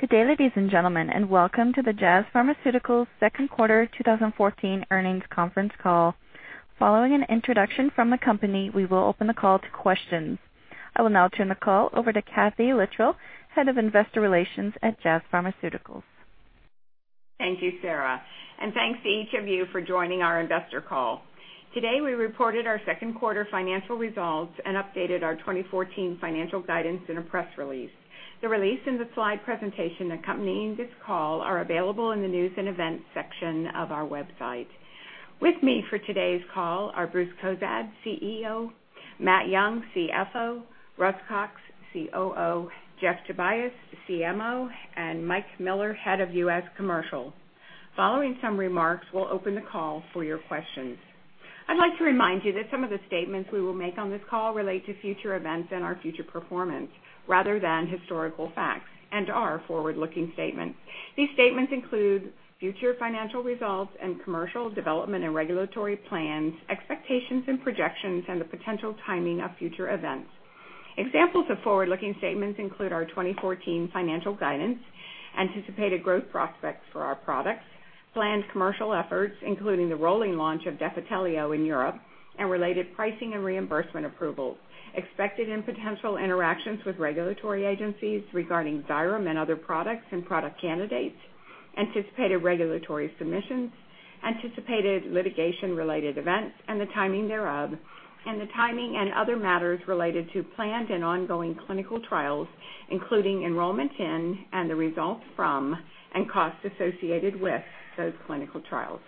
Good day, ladies and gentlemen, and welcome to the Jazz Pharmaceuticals Second Quarter 2014 Earnings Conference Call. Following an introduction from the company, we will open the call to questions. I will now turn the call over to Kathee Littrell, Head of Investor Relations at Jazz Pharmaceuticals. Thank you, Sarah, and thanks to each of you for joining our investor call. Today, we reported our second quarter financial results and updated our 2014 financial guidance in a press release. The release and the slide presentation accompanying this call are available in the News and Events section of our website. With me for today's call are Bruce Cozadd, CEO; Matt Young, CFO; Russ Cox, COO; Jeff Tobias, CMO; and Mike Miller, Head of U.S. Commercial. Following some remarks, we'll open the call for your questions. I'd like to remind you that some of the statements we will make on this call relate to future events and our future performance rather than historical facts and are forward-looking statements. These statements include future financial results and commercial development and regulatory plans, expectations and projections, and the potential timing of future events. Examples of forward-looking statements include our 2014 financial guidance, anticipated growth prospects for our products, planned commercial efforts, including the rolling launch of Defitelio in Europe and related pricing and reimbursement approvals, expected and potential interactions with regulatory agencies regarding Xyrem and other products and product candidates, anticipated regulatory submissions, anticipated litigation-related events and the timing thereof, and the timing and other matters related to planned and ongoing clinical trials, including enrollment in and the results from and costs associated with those clinical trials.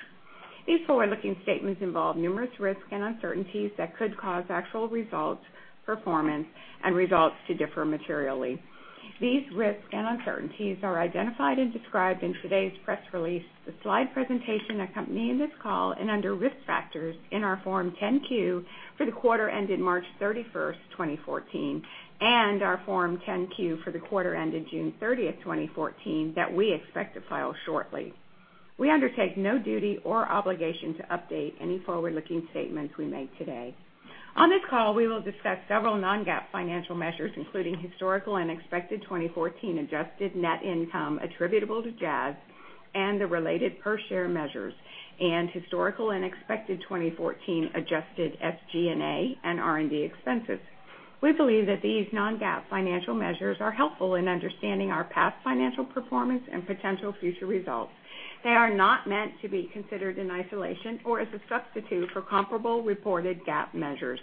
These forward-looking statements involve numerous risks and uncertainties that could cause actual results, performance and results to differ materially. These risks and uncertainties are identified and described in today's press release, the slide presentation accompanying this call, and under Risk Factors in our Form 10-Q for the quarter ended March 31st, 2014, and our Form 10-Q for the quarter ended June 30th, 2014 that we expect to file shortly. We undertake no duty or obligation to update any forward-looking statements we make today. On this call, we will discuss several non-GAAP financial measures, including historical and expected 2014 adjusted net income attributable to Jazz and the related per share measures and historical and expected 2014 adjusted SG&A and R&D expenses. We believe that these non-GAAP financial measures are helpful in understanding our past financial performance and potential future results. They are not meant to be considered in isolation or as a substitute for comparable reported GAAP measures.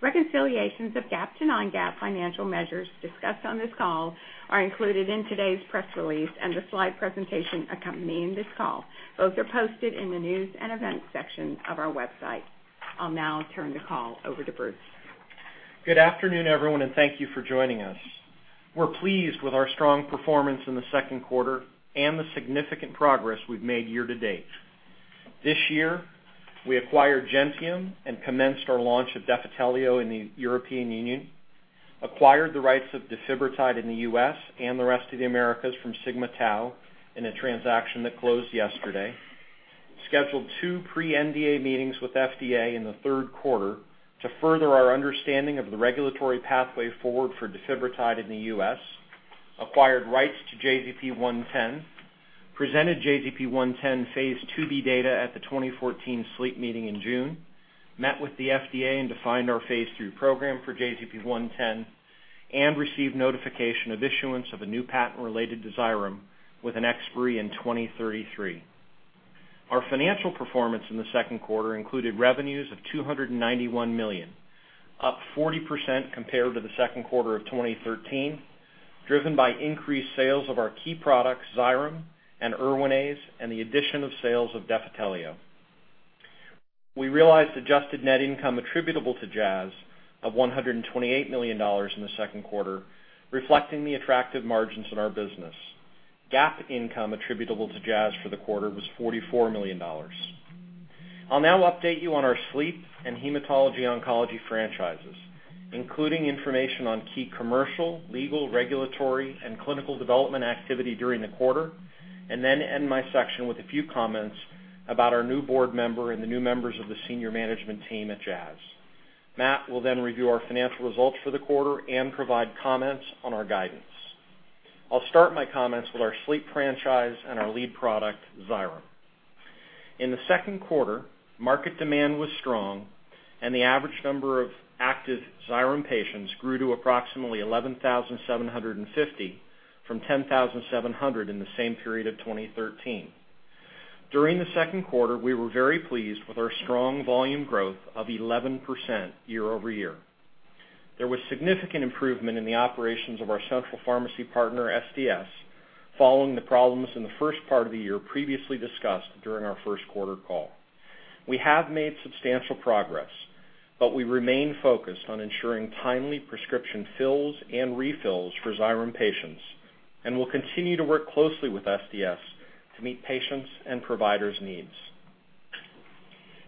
Reconciliations of GAAP to non-GAAP financial measures discussed on this call are included in today's press release and the slide presentation accompanying this call. Both are posted in the News and Events section of our website. I'll now turn the call over to Bruce. Good afternoon, everyone, and thank you for joining us. We're pleased with our strong performance in the second quarter and the significant progress we've made year to date. This year, we acquired Gentium and commenced our launch of Defitelio in the European Union, acquired the rights of Defibrotide in the U.S. and the rest of the Americas from Sigma-Tau in a transaction that closed yesterday, scheduled two pre-NDA meetings with FDA in the third quarter to further our understanding of the regulatory pathway forward for Defibrotide in the U.S., acquired rights to JZP-110, presented JZP-110 phase IIb data at the 2014 SLEEP meeting in June, met with the FDA and defined our phase III program for JZP-110, and received notification of issuance of a new patent related to Xyrem with an expiry in 2033. Our financial performance in the second quarter included revenues of $291 million, up 40% compared to the second quarter of 2013, driven by increased sales of our key products, Xyrem and Erwinaze, and the addition of sales of Defitelio. We realized adjusted net income attributable to Jazz of $128 million in the second quarter, reflecting the attractive margins in our business. GAAP income attributable to Jazz for the quarter was $44 million. I'll now update you on our sleep and hematology oncology franchises, including information on key commercial, legal, regulatory, and clinical development activity during the quarter, and then end my section with a few comments about our new board member and the new members of the senior management team at Jazz. Matt will then review our financial results for the quarter and provide comments on our guidance. I'll start my comments with our sleep franchise and our lead product, Xyrem. In the second quarter, market demand was strong and the average number of active Xyrem patients grew to approximately 11,750 from 10,700 in the same period of 2013. During the second quarter, we were very pleased with our strong volume growth of 11% year-over-year. There was significant improvement in the operations of our central pharmacy partner, ESSDS, following the problems in the first part of the year previously discussed during our first quarter call. We have made substantial progress, but we remain focused on ensuring timely prescription fills and refills for Xyrem patients and will continue to work closely with ESSDS to meet patients' and providers' needs.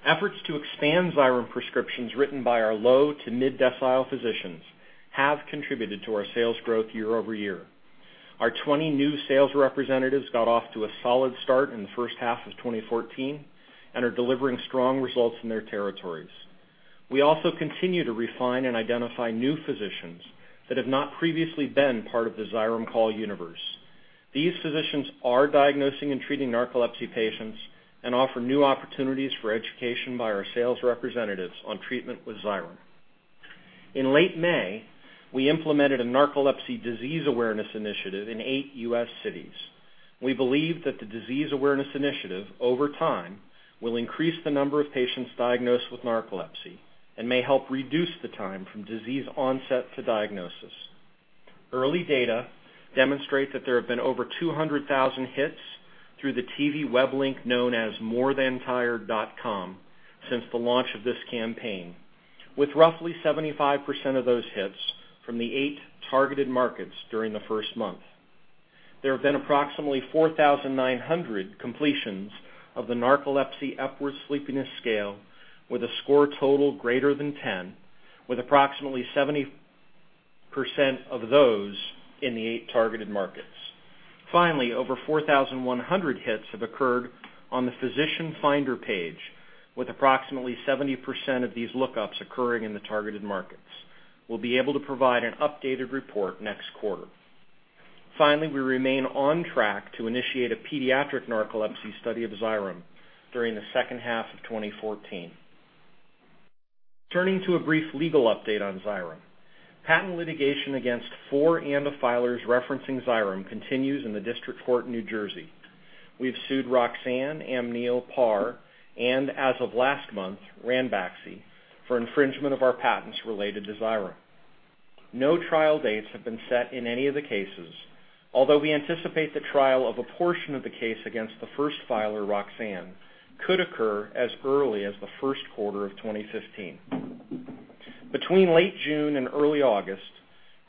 Efforts to expand Xyrem prescriptions written by our low to mid-decile physicians have contributed to our sales growth year-over-year. Our 20 new sales representatives got off to a solid start in the first half of 2014 and are delivering strong results in their territories. We also continue to refine and identify new physicians that have not previously been part of the Xyrem call universe. These physicians are diagnosing and treating narcolepsy patients and offer new opportunities for education by our sales representatives on treatment with Xyrem. In late May, we implemented a narcolepsy disease awareness initiative in eight U.S. cities. We believe that the disease awareness initiative over time will increase the number of patients diagnosed with narcolepsy and may help reduce the time from disease onset to diagnosis. Early data demonstrate that there have been over 200,000 hits through the TV web link known as morethantired.com since the launch of this campaign, with roughly 75% of those hits from the eight targeted markets during the first month. There have been approximately 4,900 completions of the narcolepsy Epworth Sleepiness Scale with a score total greater than 10, with approximately 70% of those in the eight targeted markets. Finally, over 4,100 hits have occurred on the physician finder page, with approximately 70% of these lookups occurring in the targeted markets. We'll be able to provide an updated report next quarter. Finally, we remain on track to initiate a pediatric narcolepsy study of Xyrem during the second half of 2014. Turning to a brief legal update on Xyrem. Patent litigation against four ANDA filers referencing Xyrem continues in the District Court in New Jersey. We have sued Roxane, Amneal, Par, and as of last month, Ranbaxy, for infringement of our patents related to Xyrem. No trial dates have been set in any of the cases, although we anticipate the trial of a portion of the case against the first filer, Roxane, could occur as early as the first quarter of 2015. Between late June and early August,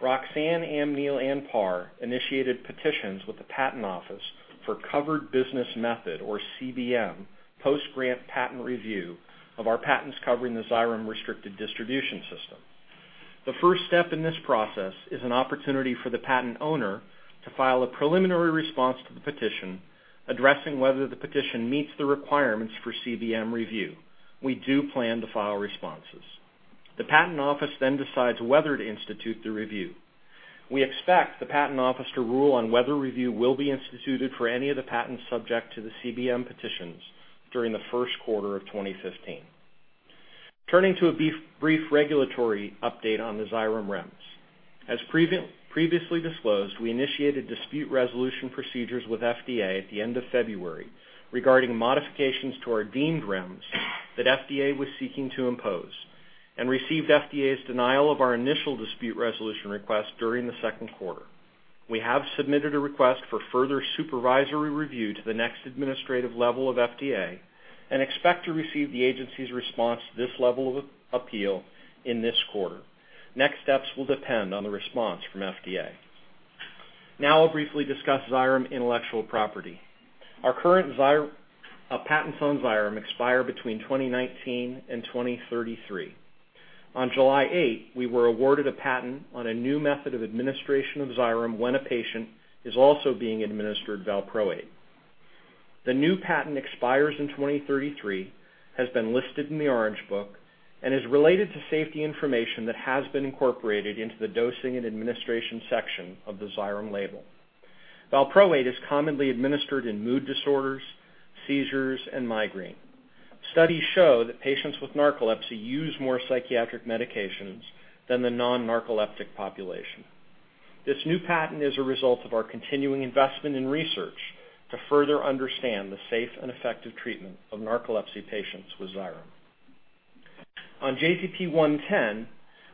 Roxane, Amneal, and Par initiated petitions with the Patent Office for Covered Business Method, or CBM, post-grant patent review of our patents covering the Xyrem restricted distribution system. The first step in this process is an opportunity for the patent owner to file a preliminary response to the petition addressing whether the petition meets the requirements for CBM review. We do plan to file responses. The Patent Office then decides whether to institute the review. We expect the Patent Office to rule on whether review will be instituted for any of the patents subject to the CBM petitions during the first quarter of 2015. Turning to a brief regulatory update on the Xyrem REMS. As previously disclosed, we initiated dispute resolution procedures with FDA at the end of February regarding modifications to our deemed REMS that FDA was seeking to impose and received FDA's denial of our initial dispute resolution request during the second quarter. We have submitted a request for further supervisory review to the next administrative level of FDA and expect to receive the agency's response to this level of appeal in this quarter. Next steps will depend on the response from FDA. Now I'll briefly discuss Xyrem intellectual property. Our current Xyrem patents on Xyrem expire between 2019 and 2033. On July 8, we were awarded a patent on a new method of administration of Xyrem when a patient is also being administered Valproate. The new patent expires in 2033, has been listed in the Orange Book, and is related to safety information that has been incorporated into the dosing and administration section of the Xyrem label. Valproate is commonly administered in mood disorders, seizures, and migraine. Studies show that patients with narcolepsy use more psychiatric medications than the non-narcoleptic population. This new patent is a result of our continuing investment in research to further understand the safe and effective treatment of narcolepsy patients with Xyrem. On JZP-110,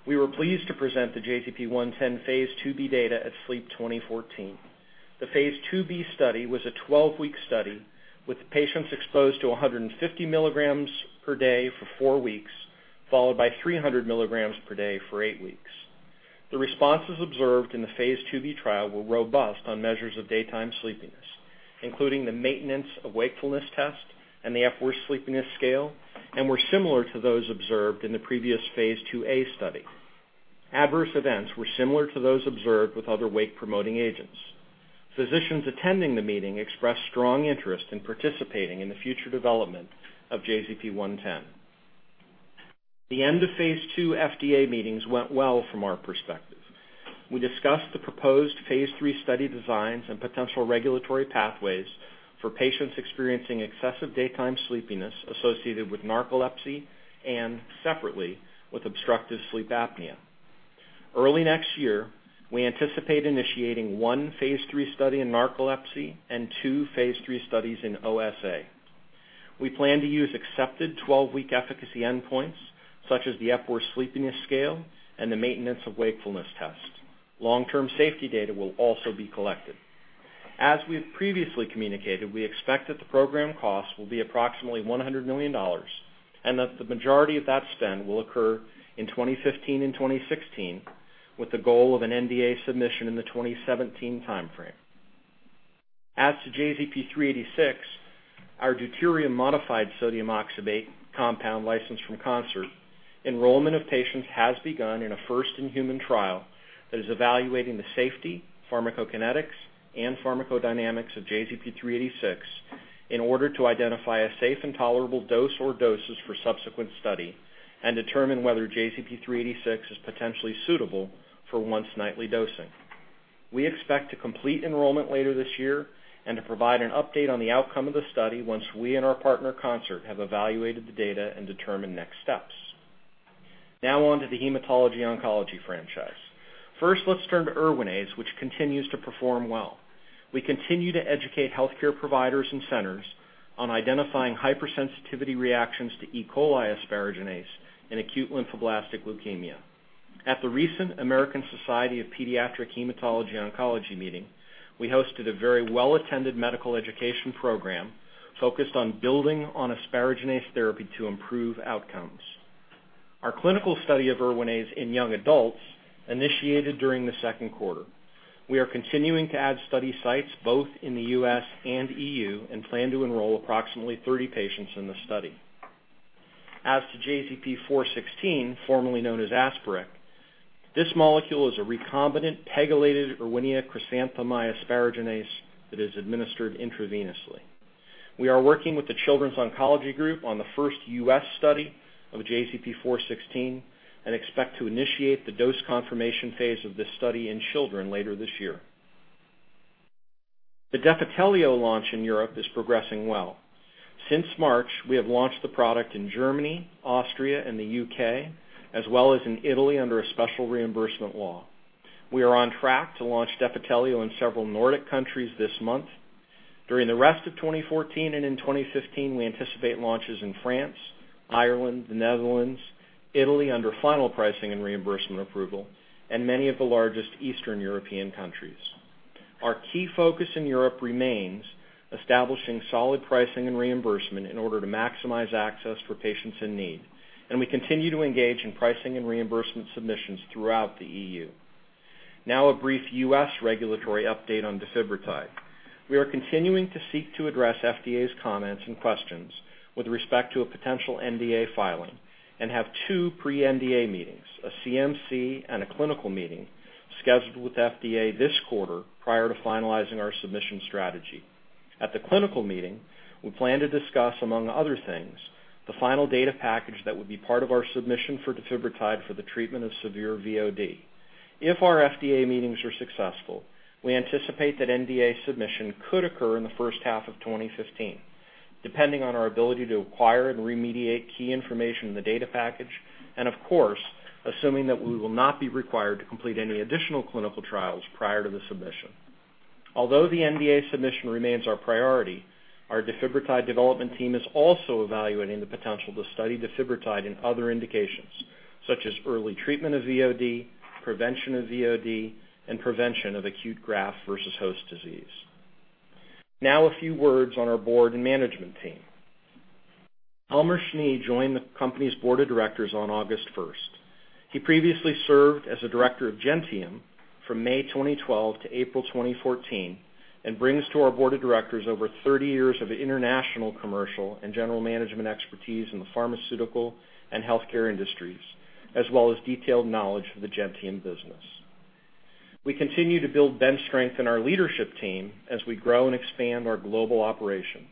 we were pleased to present the JZP-110 phase IIb data at SLEEP 2014. The phase IIb study was a 12-week study with patients exposed to 150 milligrams per day for four weeks, followed by 300 milligrams per day for eight weeks. The responses observed in the phase IIb trial were robust on measures of daytime sleepiness, including the Maintenance of Wakefulness Test and the Epworth Sleepiness Scale, and were similar to those observed in the previous phase IIa study. Adverse events were similar to those observed with other wake-promoting agents. Physicians attending the meeting expressed strong interest in participating in the future development of JZP-110. The end of phase II FDA meetings went well from our perspective. We discussed the proposed phase III study designs and potential regulatory pathways for patients experiencing excessive daytime sleepiness associated with narcolepsy and separately with obstructive sleep apnea. Early next year, we anticipate initiating one phase III study in narcolepsy and two phase III studies in OSA. We plan to use accepted 12-week efficacy endpoints such as the Epworth Sleepiness Scale and the Maintenance of Wakefulness Test. Long-term safety data will also be collected. As we've previously communicated, we expect that the program cost will be approximately $100 million, and that the majority of that spend will occur in 2015 and 2016, with the goal of an NDA submission in the 2017 timeframe. As to JZP-386, our deuterium-modified sodium oxybate compound licensed from Concert, enrollment of patients has begun in a first-in-human trial that is evaluating the safety, pharmacokinetics, and pharmacodynamics of JZP-386. In order to identify a safe and tolerable dose or doses for subsequent study and determine whether JZP-386 is potentially suitable for once nightly dosing. We expect to complete enrollment later this year and to provide an update on the outcome of the study once we and our partner Concert have evaluated the data and determined next steps. Now on to the Hematology Oncology franchise. First, let's turn to Erwinaze, which continues to perform well. We continue to educate healthcare providers and centers on identifying hypersensitivity reactions to E. coli asparaginase in acute lymphoblastic leukemia. At the recent American Society of Pediatric Hematology/Oncology meeting, we hosted a very well-attended medical education program focused on building on asparaginase therapy to improve outcomes. Our clinical study of Erwinaze in young adults initiated during the second quarter. We are continuing to add study sites both in the US and EU, and plan to enroll approximately 30 patients in the study. As to JZP-416, formerly known as Asparec, this molecule is a recombinant pegylated Erwinia chrysanthemi asparaginase that is administered intravenously. We are working with the Children's Oncology Group on the first U.S. study of JZP-416 and expect to initiate the dose confirmation phase of this study in children later this year. The Defitelio launch in Europe is progressing well. Since March, we have launched the product in Germany, Austria, and the U.K., as well as in Italy under a special reimbursement law. We are on track to launch Defitelio in several Nordic countries this month. During the rest of 2014 and in 2015, we anticipate launches in France, Ireland, the Netherlands, Italy under final pricing and reimbursement approval, and many of the largest Eastern European countries. Our key focus in Europe remains establishing solid pricing and reimbursement in order to maximize access for patients in need, and we continue to engage in pricing and reimbursement submissions throughout the EU. Now a brief US regulatory update on Defibrotide. We are continuing to seek to address FDA's comments and questions with respect to a potential NDA filing and have two pre-NDA meetings, a CMC and a clinical meeting scheduled with FDA this quarter prior to finalizing our submission strategy. At the clinical meeting, we plan to discuss, among other things, the final data package that would be part of our submission for Defibrotide for the treatment of severe VOD. If our FDA meetings are successful, we anticipate that NDA submission could occur in the first half of 2015, depending on our ability to acquire and remediate key information in the data package, and of course, assuming that we will not be required to complete any additional clinical trials prior to the submission. Although the NDA submission remains our priority, our Defibrotide development team is also evaluating the potential to study Defibrotide in other indications, such as early treatment of VOD, prevention of VOD, and prevention of acute graft-versus-host disease. Now a few words on our board and management team. Elmar Schnee joined the company's board of directors on August 1st. He previously served as a director of Gentium from May 2012 to April 2014 and brings to our board of directors over 30 years of international commercial and general management expertise in the pharmaceutical and healthcare industries, as well as detailed knowledge of the Gentium business. We continue to build bench strength in our leadership team as we grow and expand our global operations.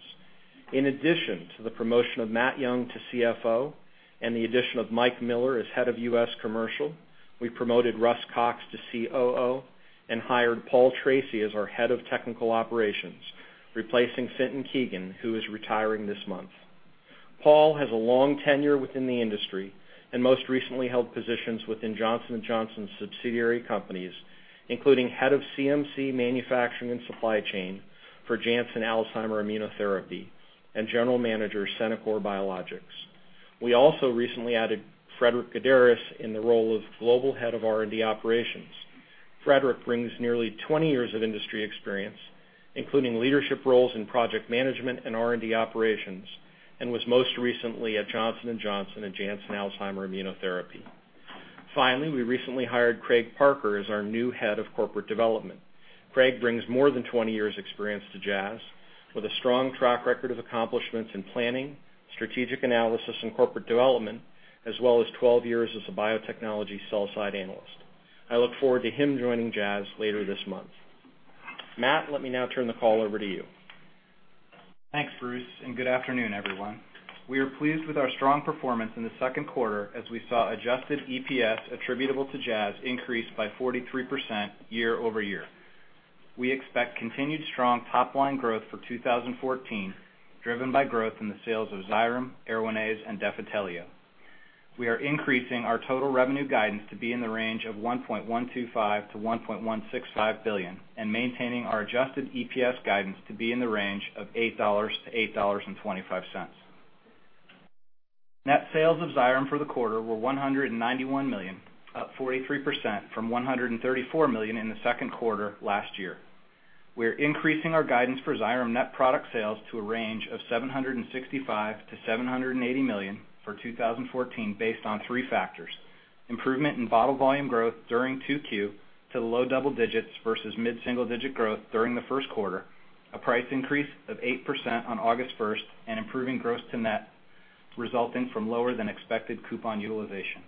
In addition to the promotion of Matt Young to CFO and the addition of Mike Miller as head of U.S. Commercial, we promoted Russ Cox to COO and hired Paul Treacy as our head of Technical Operations, replacing Fintan Keegan, who is retiring this month. Paul has a long tenure within the industry and most recently held positions within Johnson & Johnson's subsidiary companies, including Head of CMC Manufacturing and Supply Chain for Janssen Alzheimer Immunotherapy and General Manager, Centocor Biologics. We also recently added Frederic Godderis in the role of Global Head of R&D Operations. Frederic brings nearly 20 years of industry experience, including leadership roles in project management and R&D operations, and was most recently at Johnson & Johnson and Janssen Alzheimer Immunotherapy. Finally, we recently hired Craig Parker as our new Head of Corporate Development. Craig brings more than 20 years experience to Jazz with a strong track record of accomplishments in planning, strategic analysis and corporate development, as well as 12 years as a biotechnology sell-side analyst. I look forward to him joining Jazz later this month. Matt, let me now turn the call over to you. Thanks, Bruce, and good afternoon, everyone. We are pleased with our strong performance in the second quarter as we saw adjusted EPS attributable to Jazz increase by 43% year-over-year. We expect continued strong top line growth for 2014, driven by growth in the sales of Xyrem, Erwinaze, and Defitelio. We are increasing our total revenue guidance to be in the range of $1.125 billion-$1.165 billion, and maintaining our adjusted EPS guidance to be in the range of $8-$8.25. Net sales of Xyrem for the quarter were $191 million, up 43% from $134 million in the second quarter last year. We are increasing our guidance for Xyrem net product sales to a range of $765 millio-$780 million for 2014 based on three factors: improvement in bottle volume growth during 2Q to low double digits versus mid single-digit growth during the first quarter, a price increase of 8% on August 1st, and improving gross to net resulting from lower than expected coupon utilization.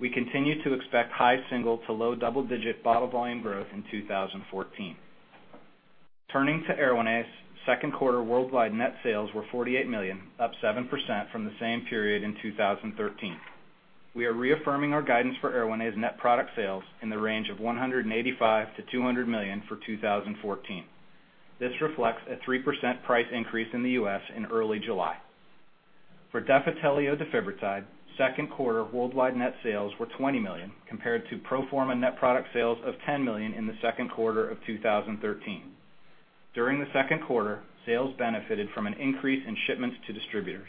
We continue to expect high single to low double-digit bottle volume growth in 2014. Turning to Erwinaze's second quarter worldwide net sales were $48 million, up 7% from the same period in 2013. We are reaffirming our guidance for Erwinaze's net product sales in the range of $185 million-$200 million for 2014. This reflects a 3% price increase in the U.S. in early July. For Defitelio defibrotide, second quarter worldwide net sales were $20 million compared to pro forma net product sales of $10 million in the second quarter of 2013. During the second quarter, sales benefited from an increase in shipments to distributors.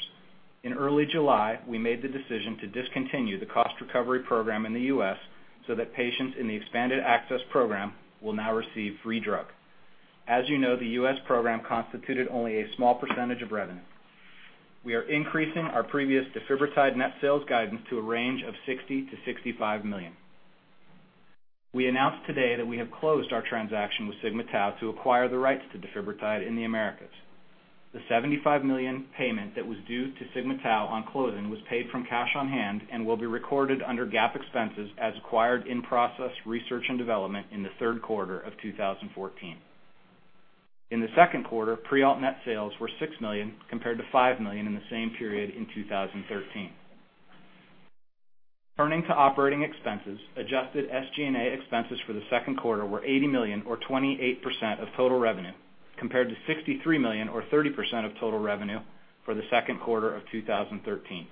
In early July, we made the decision to discontinue the cost recovery program in the U.S. so that patients in the expanded access program will now receive free drug. As you know, the U.S. program constituted only a small percentage of revenue. We are increasing our previous defibrotide net sales guidance to a range of $60 million-$65 million. We announced today that we have closed our transaction with Sigma-Tau to acquire the rights to defibrotide in the Americas. The $75 million payment that was due to Sigma-Tau on closing was paid from cash on hand and will be recorded under GAAP expenses as acquired in process research and development in the third quarter of 2014. In the second quarter, Prialt net sales were $6 million compared to $5 million in the same period in 2013. Turning to operating expenses, adjusted SG&A expenses for the second quarter were $80 million or 28% of total revenue, compared to $63 million or 30% of total revenue for the second quarter of 2013.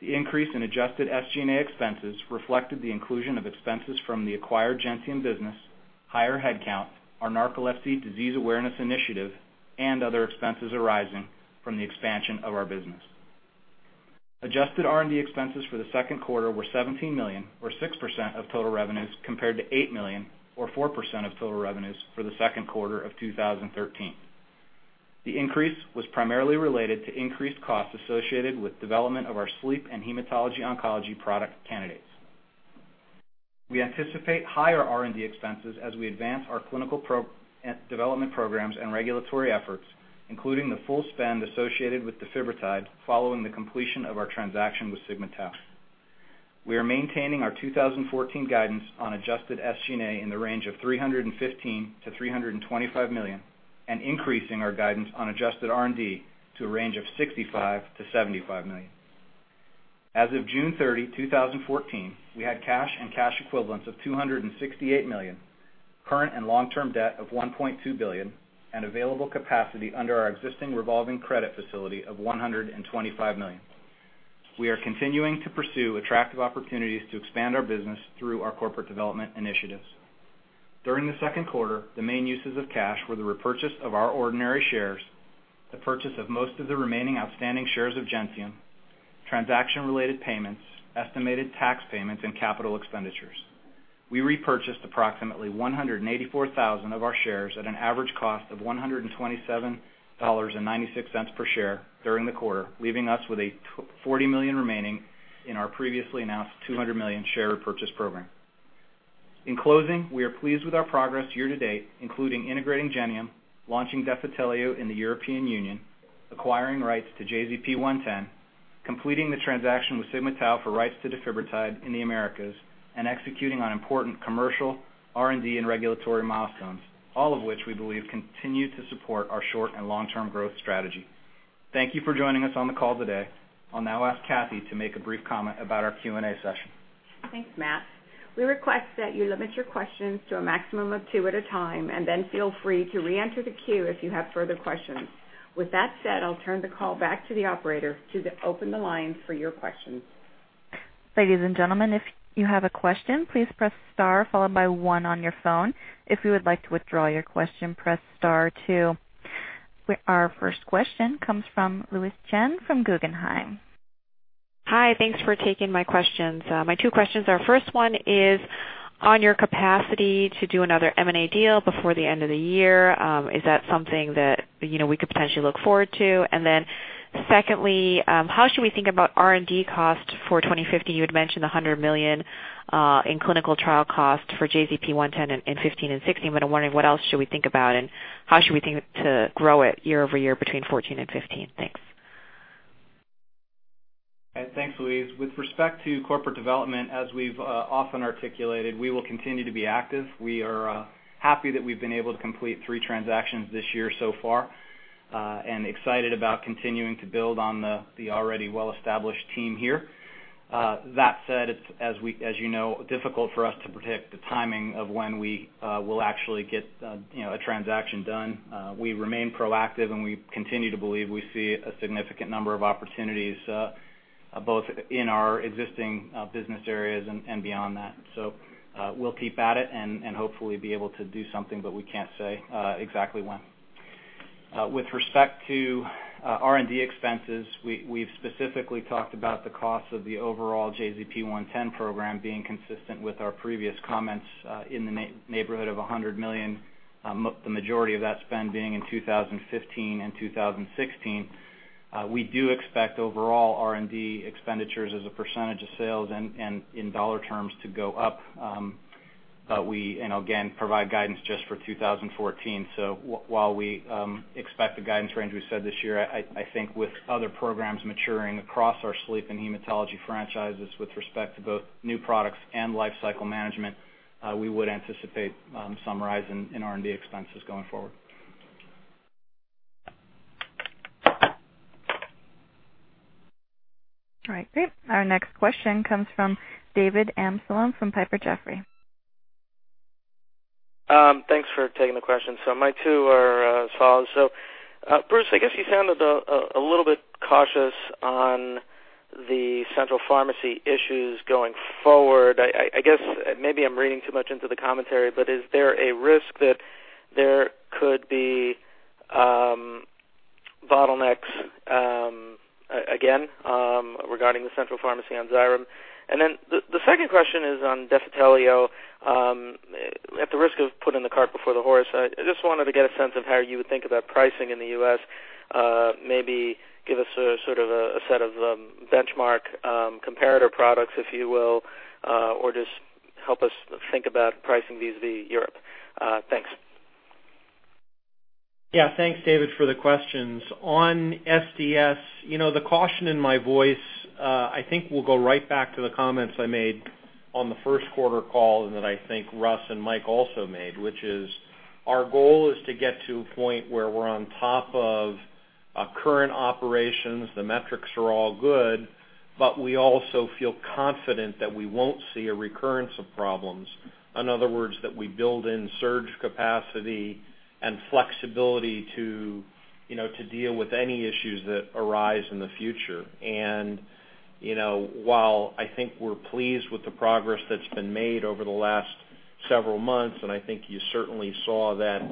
The increase in adjusted SG&A expenses reflected the inclusion of expenses from the acquired Gentium business, higher headcount, our narcolepsy disease awareness initiative, and other expenses arising from the expansion of our business. Adjusted R&D expenses for the second quarter were $17 million or 6% of total revenues compared to $8 million or 4% of total revenues for the second quarter of 2013. The increase was primarily related to increased costs associated with development of our sleep and hematology oncology product candidates. We anticipate higher R&D expenses as we advance our clinical development programs and regulatory efforts, including the full spend associated with Defibrotide following the completion of our transaction with Sigma-Tau. We are maintaining our 2014 guidance on adjusted SG&A in the range of $315 million-$325 million and increasing our guidance on adjusted R&D to a range of $65 million-$75 million. As of June 30, 2014, we had cash and cash equivalents of $268 million, current and long-term debt of $1.2 billion, and available capacity under our existing revolving credit facility of $125 million. We are continuing to pursue attractive opportunities to expand our business through our corporate development initiatives. During the second quarter, the main uses of cash were the repurchase of our ordinary shares, the purchase of most of the remaining outstanding shares of Gentium, transaction-related payments, estimated tax payments, and capital expenditures. We repurchased approximately 184,000 of our shares at an average cost of $127.96 per share during the quarter, leaving us with $140 million remaining in our previously announced $200 million share repurchase program. In closing, we are pleased with our progress year-to-date, including integrating Gentium, launching Defitelio in the European Union, acquiring rights to JZP-110, completing the transaction with Sigma-Tau for rights to Defibrotide in the Americas, and executing on important commercial R&D and regulatory milestones, all of which we believe continue to support our short and long-term growth strategy. Thank you for joining us on the call today. I'll now ask Kathee to make a brief comment about our Q&A session. Thanks, Matt. We request that you limit your questions to a maximum of two at a time, and then feel free to reenter the queue if you have further questions. With that said, I'll turn the call back to the operator to open the lines for your questions. Ladies and gentlemen, if you have a question, please press star followed by one on your phone. If you would like to withdraw your question, press star two. Our first question comes from Louise Chen from Guggenheim. Hi. Thanks for taking my questions. My two questions are, first one is on your capacity to do another M&A deal before the end of the year. Is that something that, you know, we could potentially look forward to? Secondly, how should we think about R&D costs for 2015? You had mentioned $100 million in clinical trial costs for JZP-110 in 2015 and 2016, but I'm wondering what else should we think about and how should we think to grow it year-over-year between 2014 and 2015? Thanks. Thanks, Louise. With respect to corporate development, as we've often articulated, we will continue to be active. We are happy that we've been able to complete three transactions this year so far, and excited about continuing to build on the already well-established team here. That said, it's, as you know, difficult for us to predict the timing of when we will actually get, you know, a transaction done. We remain proactive, and we continue to believe we see a significant number of opportunities both in our existing business areas and beyond that. We'll keep at it and hopefully be able to do something, but we can't say exactly when. With respect to R&D expenses, we've specifically talked about the cost of the overall JZP-110 program being consistent with our previous comments, in the neighborhood of $100 million, the majority of that spend being in 2015 and 2016. We do expect overall R&D expenditures as a percentage of sales and in dollar terms to go up. We, and again, provide guidance just for 2014. While we expect the guidance range we said this year, I think with other programs maturing across our sleep and hematology franchises with respect to both new products and life cycle management, we would anticipate some rise in R&D expenses going forward. All right, great. Our next question comes from David Amsellem from Piper Sandler. Thanks for taking the question. My two are as follows. Bruce, I guess you sounded a little bit cautious on the central pharmacy issues going forward. I guess maybe I'm reading too much into the commentary, but is there a risk that there could be bottlenecks again regarding the central pharmacy on Xyrem? Then the second question is on Defitelio. At the risk of putting the cart before the horse, I just wanted to get a sense of how you would think about pricing in the U.S. Maybe give us a sort of a set of benchmark comparator products, if you will, or just help us think about pricing vis-à-vis Europe. Thanks. Yeah. Thanks, David, for the questions. On ESSDS, you know, the caution in my voice, I think will go right back to the comments I made on the first quarter call and that I think Russ and Mike also made, which is our goal is to get to a point where we're on top of, current operations, the metrics are all good, but we also feel confident that we won't see a recurrence of problems. In other words, that we build in surge capacity and flexibility to, you know, to deal with any issues that arise in the future. And you know, while I think we're pleased with the progress that's been made over the last several months, and I think you certainly saw that,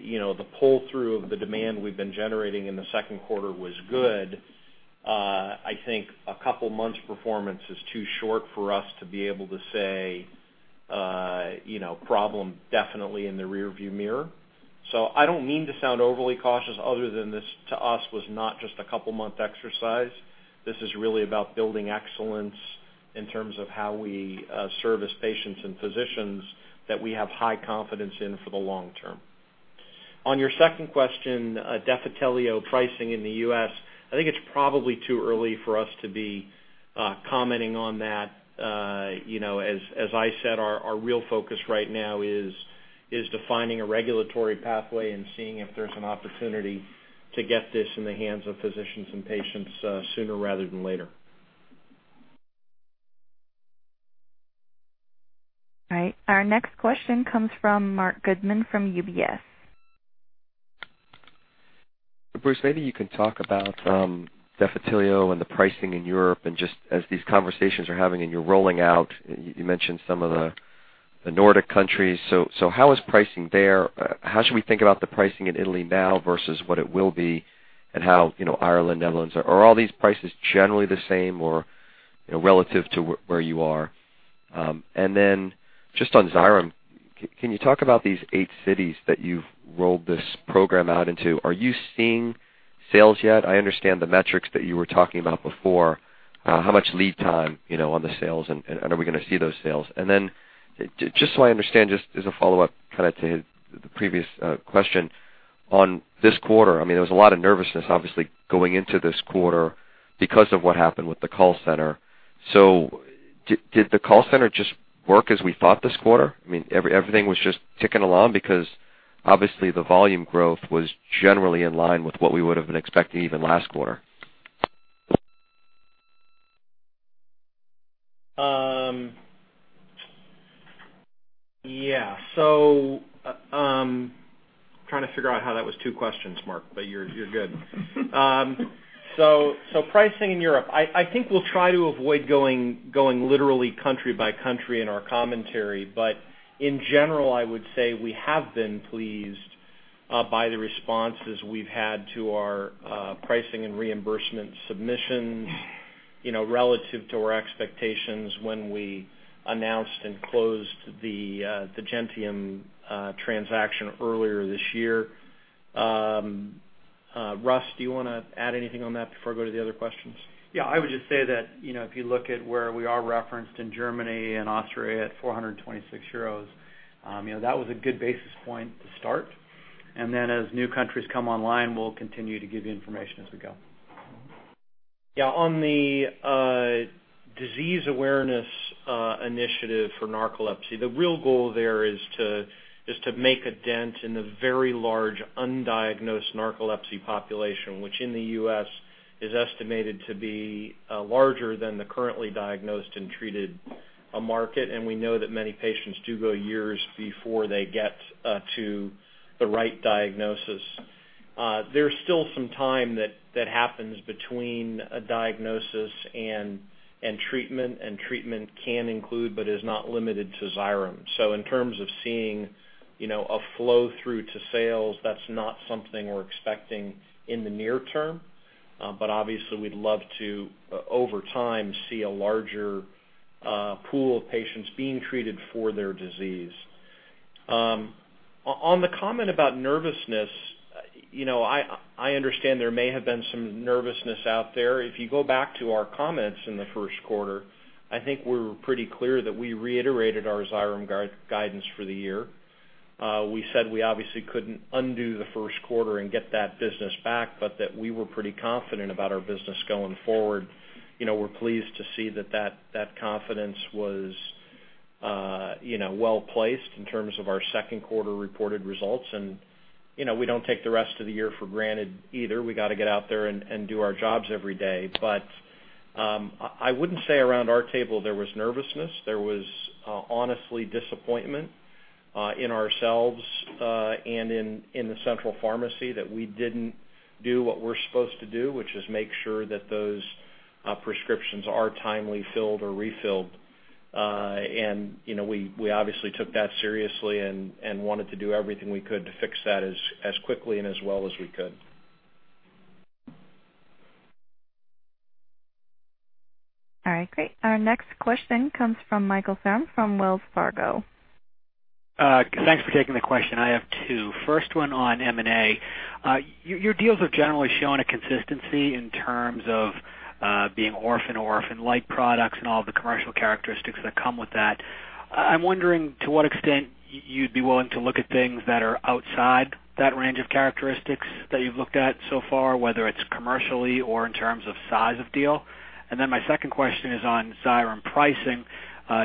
you know, the pull-through of the demand we've been generating in the second quarter was good. I think a couple of months' performance is too short for us to be able to say, you know, problem definitely in the rearview mirror. So i don't mean to sound overly cautious other than this, to us, was not just a couple month exercise. This is really about building excellence in terms of how we service patients and physicians that we have high confidence in for the long term. On your second question, Defitelio pricing in the U.S., I think it's probably too early for us to be commenting on that. You know, as I said, our real focus right now is defining a regulatory pathway and seeing if there's an opportunity to get this in the hands of physicians and patients sooner rather than later. All right. Our next question comes from Marc Goodman from UBS. Bruce, maybe you can talk about Defitelio and the pricing in Europe and just how these conversations are going and you're rolling out, you mentioned some of the Nordic countries. So how is pricing there? How should we think about the pricing in Italy now versus what it will be and how, you know, Ireland, Netherlands? Are all these prices generally the same or, you know, relative to where you are? And then just on Xyrem, can you talk about these eight cities that you've rolled this program out into? Are you seeing sales yet? I understand the metrics that you were talking about before. How much lead time, you know, on the sales, and are we going to see those sales? And then just so I understand, just as a follow-up kind of to the previous question on this quarter. I mean, there was a lot of nervousness obviously going into this quarter because of what happened with the call center. Did the call center just work as we thought this quarter? I mean, everything was just ticking along because obviously the volume growth was generally in line with what we would have been expecting even last quarter. Yeah. I'm trying to figure out how that was two questions, Mark, but you're good. Pricing in Europe. I think we'll try to avoid going literally country by country in our commentary. In general, I would say we have been pleased by the responses we've had to our pricing and reimbursement submissions, you know, relative to our expectations when we announced and closed the Gentium transaction earlier this year. Russ, do you want to add anything on that before I go to the other questions? I would just say that, you know, if you look at where we are referenced in Germany and Austria at 426 euros, you know, that was a good basis point to start. As new countries come online, we'll continue to give you information as we go. Yeah. On the disease awareness initiative for narcolepsy, the real goal there is to make a dent in the very large undiagnosed narcolepsy population, which in the U.S. is estimated to be larger than the currently diagnosed and treated market. We know that many patients do go years before they get to the right diagnosis. There's still some time that happens between a diagnosis and treatment, and treatment can include, but is not limited to Xyrem. In terms of seeing, you know, a flow through to sales, that's not something we're expecting in the near term. Obviously we'd love to, over time, see a larger pool of patients being treated for their disease. On the comment about nervousness, you know, I understand there may have been some nervousness out there. If you go back to our comments in the first quarter, I think we're pretty clear that we reiterated our Xyrem guidance for the year. We said we obviously couldn't undo the first quarter and get that business back, but that we were pretty confident about our business going forward. You know, we're pleased to see that confidence was, you know, well-placed in terms of our second quarter reported results. You know, we don't take the rest of the year for granted either. We got to get out there and do our jobs every day. I wouldn't say around our table there was nervousness. There was honestly disappointment in ourselves and in the central pharmacy that we didn't do what we're supposed to do, which is make sure that those prescriptions are timely filled or refilled. And you know, we obviously took that seriously and wanted to do everything we could to fix that as quickly and as well as we could. All right, great. Our next question comes from Mohit Bansal from Wells Fargo. Thanks for taking the question. I have two. First one on M&A. Your deals have generally shown a consistency in terms of being orphan light products and all the commercial characteristics that come with that. I'm wondering to what extent you'd be willing to look at things that are outside that range of characteristics that you've looked at so far, whether it's commercially or in terms of size of deal. My second question is on Xyrem pricing.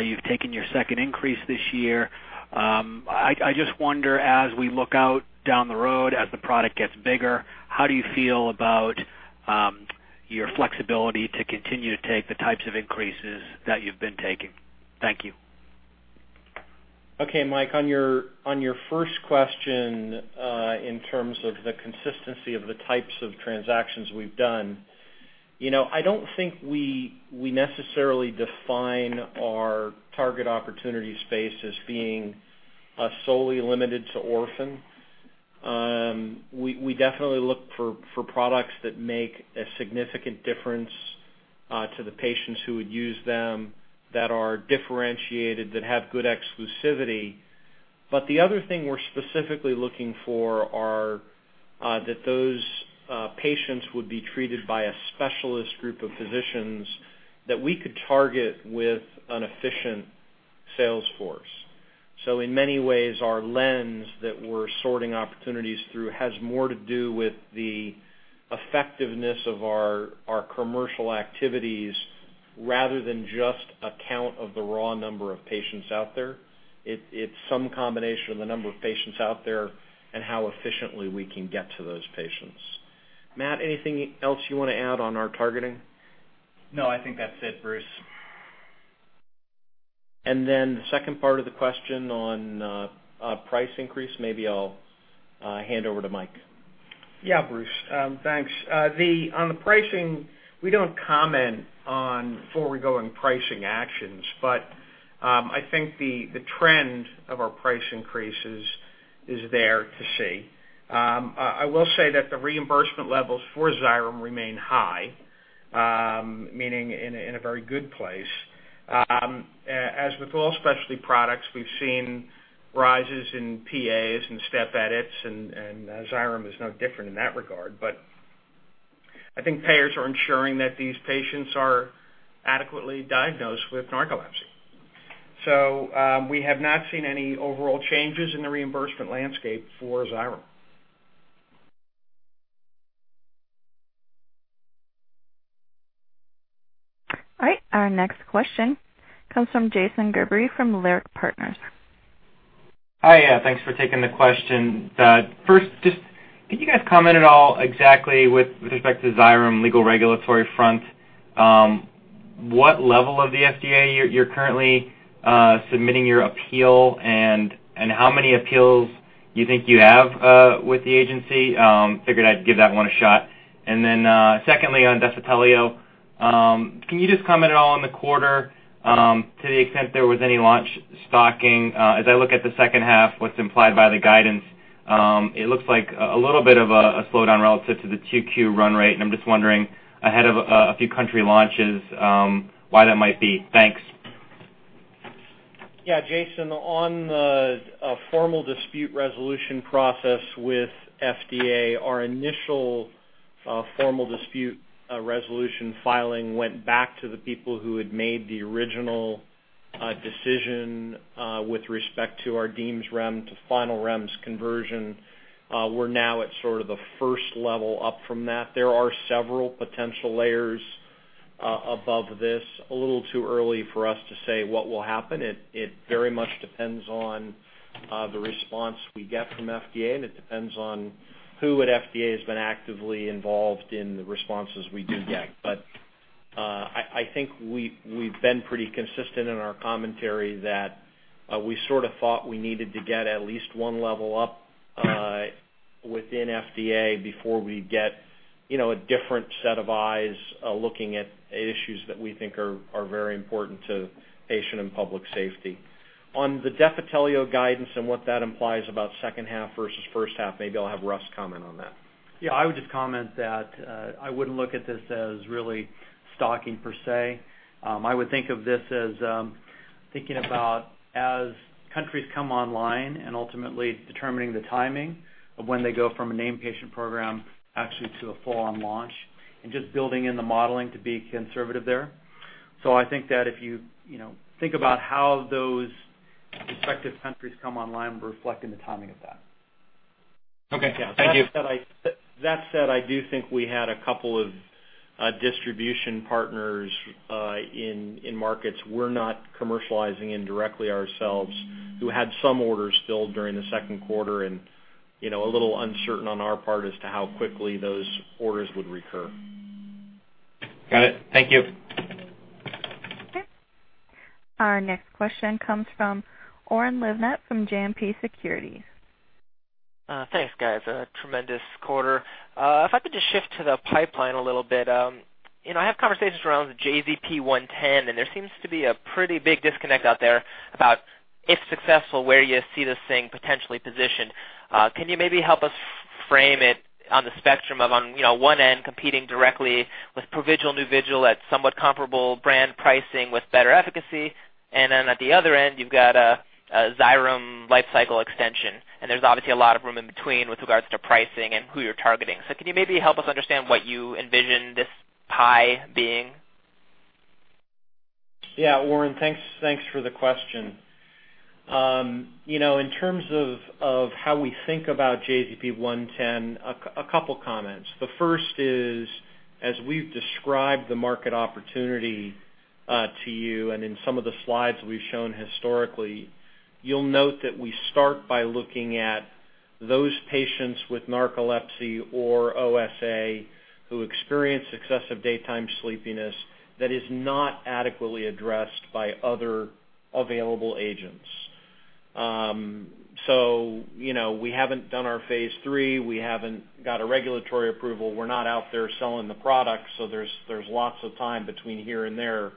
You've taken your second increase this year. I just wonder, as we look out down the road, as the product gets bigger, how do you feel about your flexibility to continue to take the types of increases that you've been taking? Thank you. Okay, Mohit, on your first question, in terms of the consistency of the types of transactions we've done, you know, I don't think we necessarily define our target opportunity space as being solely limited to orphan. We definitely look for products that make a significant difference to the patients who would use them, that are differentiated, that have good exclusivity. The other thing we're specifically looking for are that those patients would be treated by a specialist group of physicians that we could target with an efficient sales force. In many ways, our lens that we're sorting opportunities through has more to do with the effectiveness of our commercial activities rather than just a count of the raw number of patients out there. It's some combination of the number of patients out there and how efficiently we can get to those patients. Matt, anything else you want to add on our targeting? No, I think that's it, Bruce. The second part of the question on a price increase, maybe I'll hand over to Matt. Yeah, Bruce, thanks. On the pricing, we don't comment on forward-looking pricing actions, but I think the trend of our price increases is there to see. I will say that the reimbursement levels for Xyrem remain high, meaning in a very good place. As with all specialty products, we've seen rises in PAs and step edits, and Xyrem is no different in that regard. I think payers are ensuring that these patients are adequately diagnosed with narcolepsy. We have not seen any overall changes in the reimbursement landscape for Xyrem. All right. Our next question comes from Jason Gerberry from Leerink Partners. Hi, thanks for taking the question. First, just can you guys comment at all exactly with respect to Xyrem legal regulatory front, what level of the FDA you're currently submitting your appeal and how many appeals you think you have with the agency? Figured I'd give that one a shot. Then, secondly, on Defitelio, can you just comment at all on the quarter, to the extent there was any launch stocking? As I look at the second half, what's implied by the guidance, it looks like a little bit of a slowdown relative to the Q2 run rate. I'm just wondering ahead of a few country launches, why that might be. Thanks. Yeah, Jason, on the formal dispute resolution process with FDA, our initial formal dispute resolution filing went back to the people who had made the original decision with respect to our deemed REMS to final REMS conversion. We're now at sort of the first level up from that. There are several potential layers above this. It's a little too early for us to say what will happen. It very much depends on the response we get from FDA, and it depends on who at FDA has been actively involved in the responses we do get. But i think we've been pretty consistent in our commentary that we sort of thought we needed to get at least one level up within FDA before we get, you know, a different set of eyes looking at issues that we think are very important to patient and public safety. On the Defitelio guidance and what that implies about second half versus first half, maybe I'll have Russ comment on that. Yeah, I would just comment that I wouldn't look at this as really stocking per se. I would think of this as thinking about as countries come online and ultimately determining the timing of when they go from a name patient program actually to a full-on launch and just building in the modeling to be conservative there. So i think that if you know, think about how those respective countries come online, we're reflecting the timing of that. Okay. Thank you. That said, I do think we had a couple of distribution partners in markets we're not commercializing indirectly ourselves who had some orders filled during the second quarter. You know, a little uncertain on our part as to how quickly those orders would recur. Got it. Thank you. Okay. Our next question comes from Oren Livnat from JMP Securities. Thanks, guys. A tremendous quarter. If I could just shift to the pipeline a little bit. You know, I have conversations around JZP-110, and there seems to be a pretty big disconnect out there about if successful, where you see this thing potentially positioned. Can you maybe help us frame it on the spectrum of, you know, one end competing directly with Provigil, Nuvigil at somewhat comparable brand pricing with better efficacy? And then at the other end, you've got a Xyrem lifecycle extension, and there's obviously a lot of room in between with regards to pricing and who you're targeting. Can you maybe help us understand what you envision this pie being? Yeah. Oren, thanks for the question. You know, in terms of how we think about JZP-110, a couple comments. The first is, as we've described the market opportunity to you and in some of the slides we've shown historically, you'll note that we start by looking at those patients with narcolepsy or OSA who experience excessive daytime sleepiness that is not adequately addressed by other available agents. You know, we haven't done our phase III. We haven't got a regulatory approval. We're not out there selling the product. There's lots of time between here and there.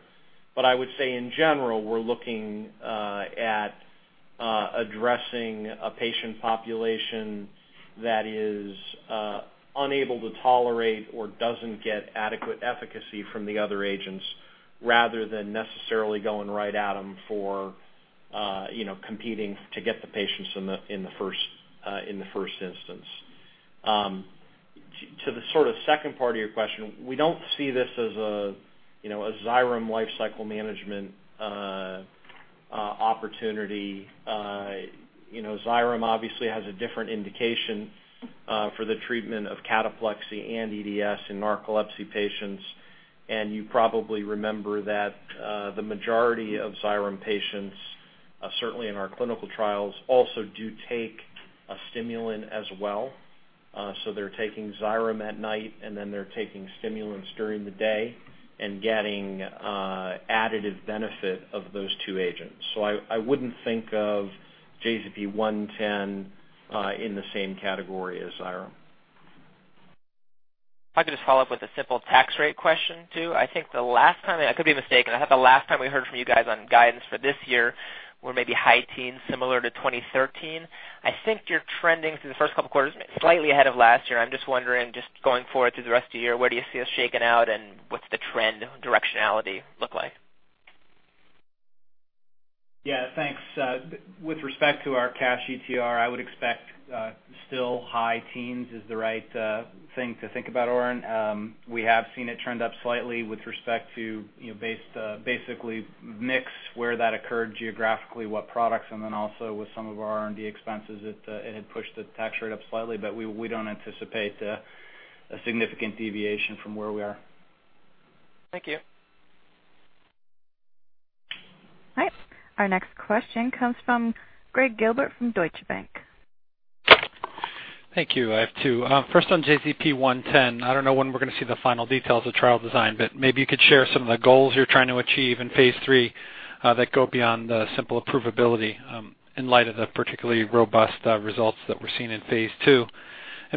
I would say in general, we're looking at addressing a patient population that is unable to tolerate or doesn't get adequate efficacy from the other agents, rather than necessarily going right at them for, you know, competing to get the patients in the first instance. To the sort of second part of your question, we don't see this as a, you know, a Xyrem lifecycle management opportunity. You know, Xyrem obviously has a different indication for the treatment of cataplexy and EDS in narcolepsy patients. You probably remember that the majority of Xyrem patients, certainly in our clinical trials, also do take a stimulant as well. So they're taking Xyrem at night, and then they're taking stimulants during the day and getting additive benefit of those two agents. So i wouldn't think of JZP-110 in the same category as Xyrem. If I could just follow up with a simple tax rate question, too. I think the last time, I could be mistaken. I think the last time we heard from you guys on guidance for this year were maybe high teens similar to 2013. I think you're trending through the first couple quarters slightly ahead of last year. I'm just wondering, just going forward through the rest of the year, where do you see us shaking out, and what's the trend directionality look like? Yeah, thanks. With respect to our cash ETR, I would expect still high teens% is the right thing to think about, Oren. We have seen it trend up slightly with respect to business mix where that occurred geographically, what products, and then also with some of our R&D expenses, it had pushed the tax rate up slightly, but we don't anticipate a significant deviation from where we are. Thank you. All right. Our next question comes from Gregg Gilbert from Deutsche Bank. Thank you. I have two. First on JZP-110. I don't know when we're gonna see the final details of trial design, but maybe you could share some of the goals you're trying to achieve in phase III that go beyond the simple approvability in light of the particularly robust results that we're seeing in phase II.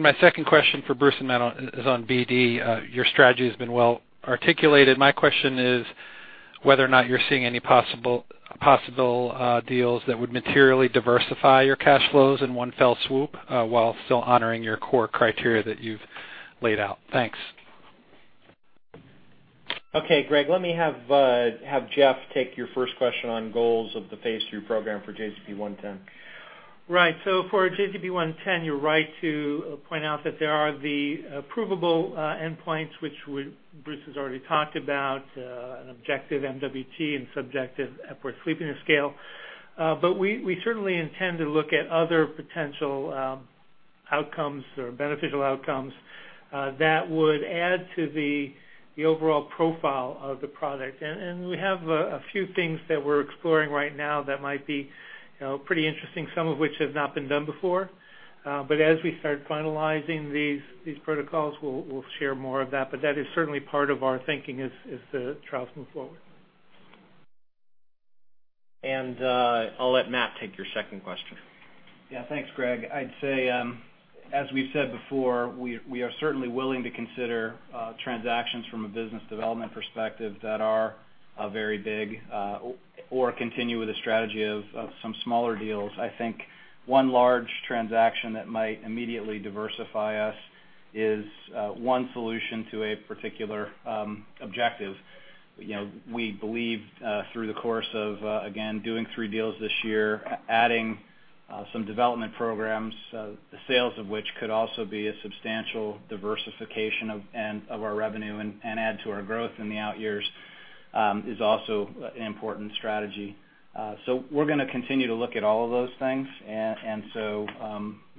My second question for Bruce and Matt is on BD. Your strategy has been well articulated. My question is whether or not you're seeing any possible deals that would materially diversify your cash flows in one fell swoop while still honoring your core criteria that you've laid out. Thanks. Okay, Greg, let me have Jeff take your first question on goals of the phase III program for JZP-110. Right. For JZP-110, you're right to point out that there are the approvable endpoints, which Bruce has already talked about, an objective MWT and subjective Epworth Sleepiness Scale. We certainly intend to look at other potential outcomes or beneficial outcomes that would add to the overall profile of the product. We have a few things that we're exploring right now that might be, you know, pretty interesting, some of which have not been done before. As we start finalizing these protocols, we'll share more of that. That is certainly part of our thinking as the trials move forward. I'll let Matt take your second question. Yeah, thanks, Greg. I'd say, as we've said before, we are certainly willing to consider transactions from a business development perspective that are very big or continue with a strategy of some smaller deals. I think one large transaction that might immediately diversify us is one solution to a particular objective. You know, we believe through the course of again, doing three deals this year, adding some development programs, the sales of which could also be a substantial diversification of our revenue and add to our growth in the out years is also an important strategy. We're gonna continue to look at all of those things. And so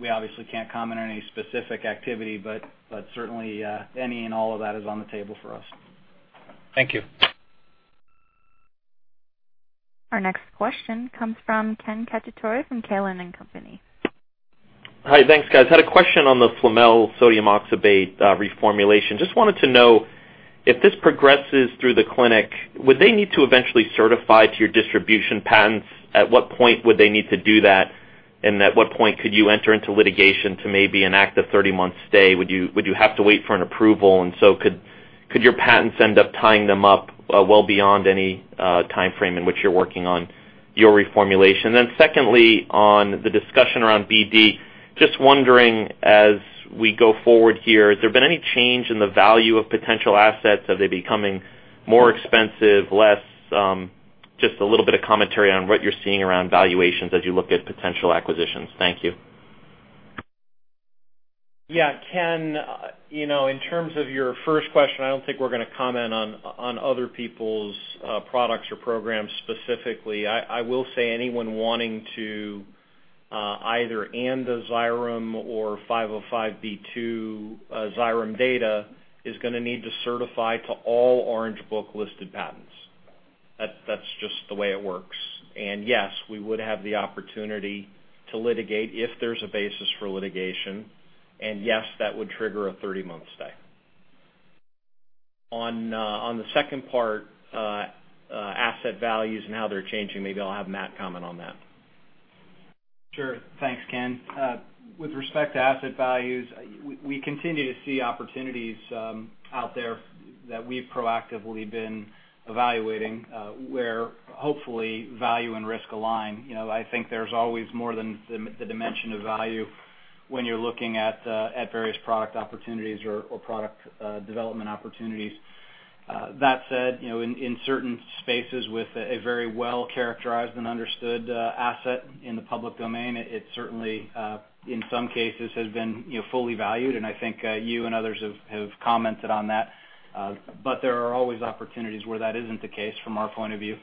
we obviously can't comment on any specific activity, but certainly any and all of that is on the table for us. Thank you. Our next question comes from Ken Cacciatore from Cowen and Company. Hi. Thanks, guys. Had a question on the Flamel sodium oxybate reformulation. Just wanted to know, if this progresses through the clinic, would they need to eventually certify to your distribution patents? At what point would they need to do that? And at what point could you enter into litigation to maybe enact a 30-month stay? Would you have to wait for an approval? Could your patents end up tying them up well beyond any timeframe in which you're working on your reformulation? Secondly, on the discussion around BD, just wondering, as we go forward here, has there been any change in the value of potential assets? Are they becoming more expensive, less? Just a little bit of commentary on what you're seeing around valuations as you look at potential acquisitions. Thank you. Yeah, Ken, you know, in terms of your first question, I don't think we're gonna comment on other people's products or programs specifically. I will say anyone wanting to either an ANDA to Xyrem or 505(b)(2) Xyrem data is gonna need to certify to all Orange Book listed patents. That's just the way it works. Yes, we would have the opportunity to litigate if there's a basis for litigation. Yes, that would trigger a 30-month stay. On the second part, asset values and how they're changing, maybe I'll have Matt comment on that. Sure. Thanks, Ken. With respect to asset values, we continue to see opportunities out there that we've proactively been evaluating, where hopefully value and risk align. You know, I think there's always more than the dimension of value when you're looking at various product opportunities or product development opportunities. That said, you know, in certain spaces with a very well characterized and understood asset in the public domain, it certainly in some cases has been fully valued, and I think you and others have commented on that. But there are always opportunities where that isn't the case from our point of view.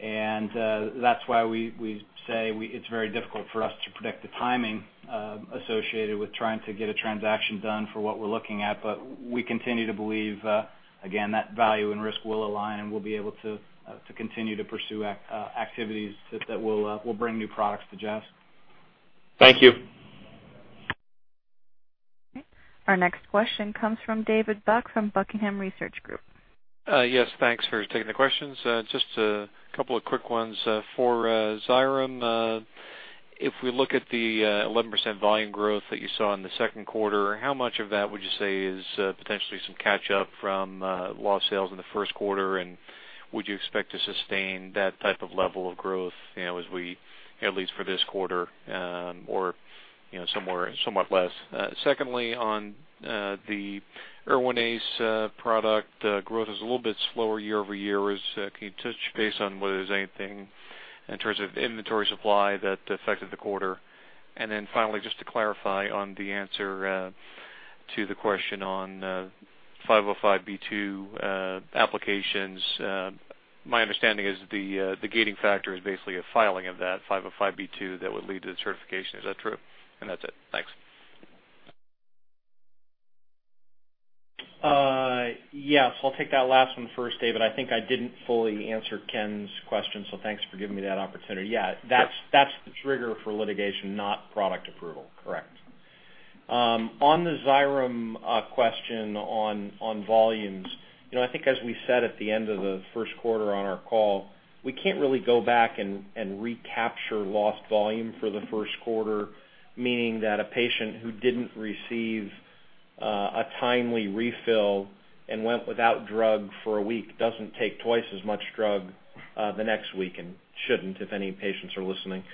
That's why we say it's very difficult for us to predict the timing associated with trying to get a transaction done for what we're looking at. But we continue to believe, again, that value and risk will align, and we'll be able to continue to pursue activities that will bring new products to Jazz. Thank you. Okay. Our next question comes from David Buck from The Buckingham Research Group. Yes, thanks for taking the questions. Just a couple of quick ones for Xyrem. If we look at the 11% volume growth that you saw in the second quarter, how much of that would you say is potentially some catch-up from lost sales in the first quarter? Would you expect to sustain that type of level of growth, you know, as we, at least for this quarter, or, you know, somewhere somewhat less? Secondly, on the Erwinaze product, growth is a little bit slower year-over-year. Can you touch base on whether there's anything in terms of inventory supply that affected the quarter? Then finally, just to clarify on the answer to the question on 505(b)(2) applications, my understanding is the gating factor is basically a filing of that 505(b)(2) that would lead to the certification. Is that true? That's it. Thanks. Yes, I'll take that last one first, David. I think I didn't fully answer Ken's question, so thanks for giving me that opportunity. Yeah, that's the trigger for litigation, not product approval. Correct. On the Xyrem question on volumes, you know, I think as we said at the end of the first quarter on our call, we can't really go back and recapture lost volume for the first quarter, meaning that a patient who didn't receive a timely refill and went without drug for a week doesn't take twice as much drug the next week and shouldn't, if any patients are listening.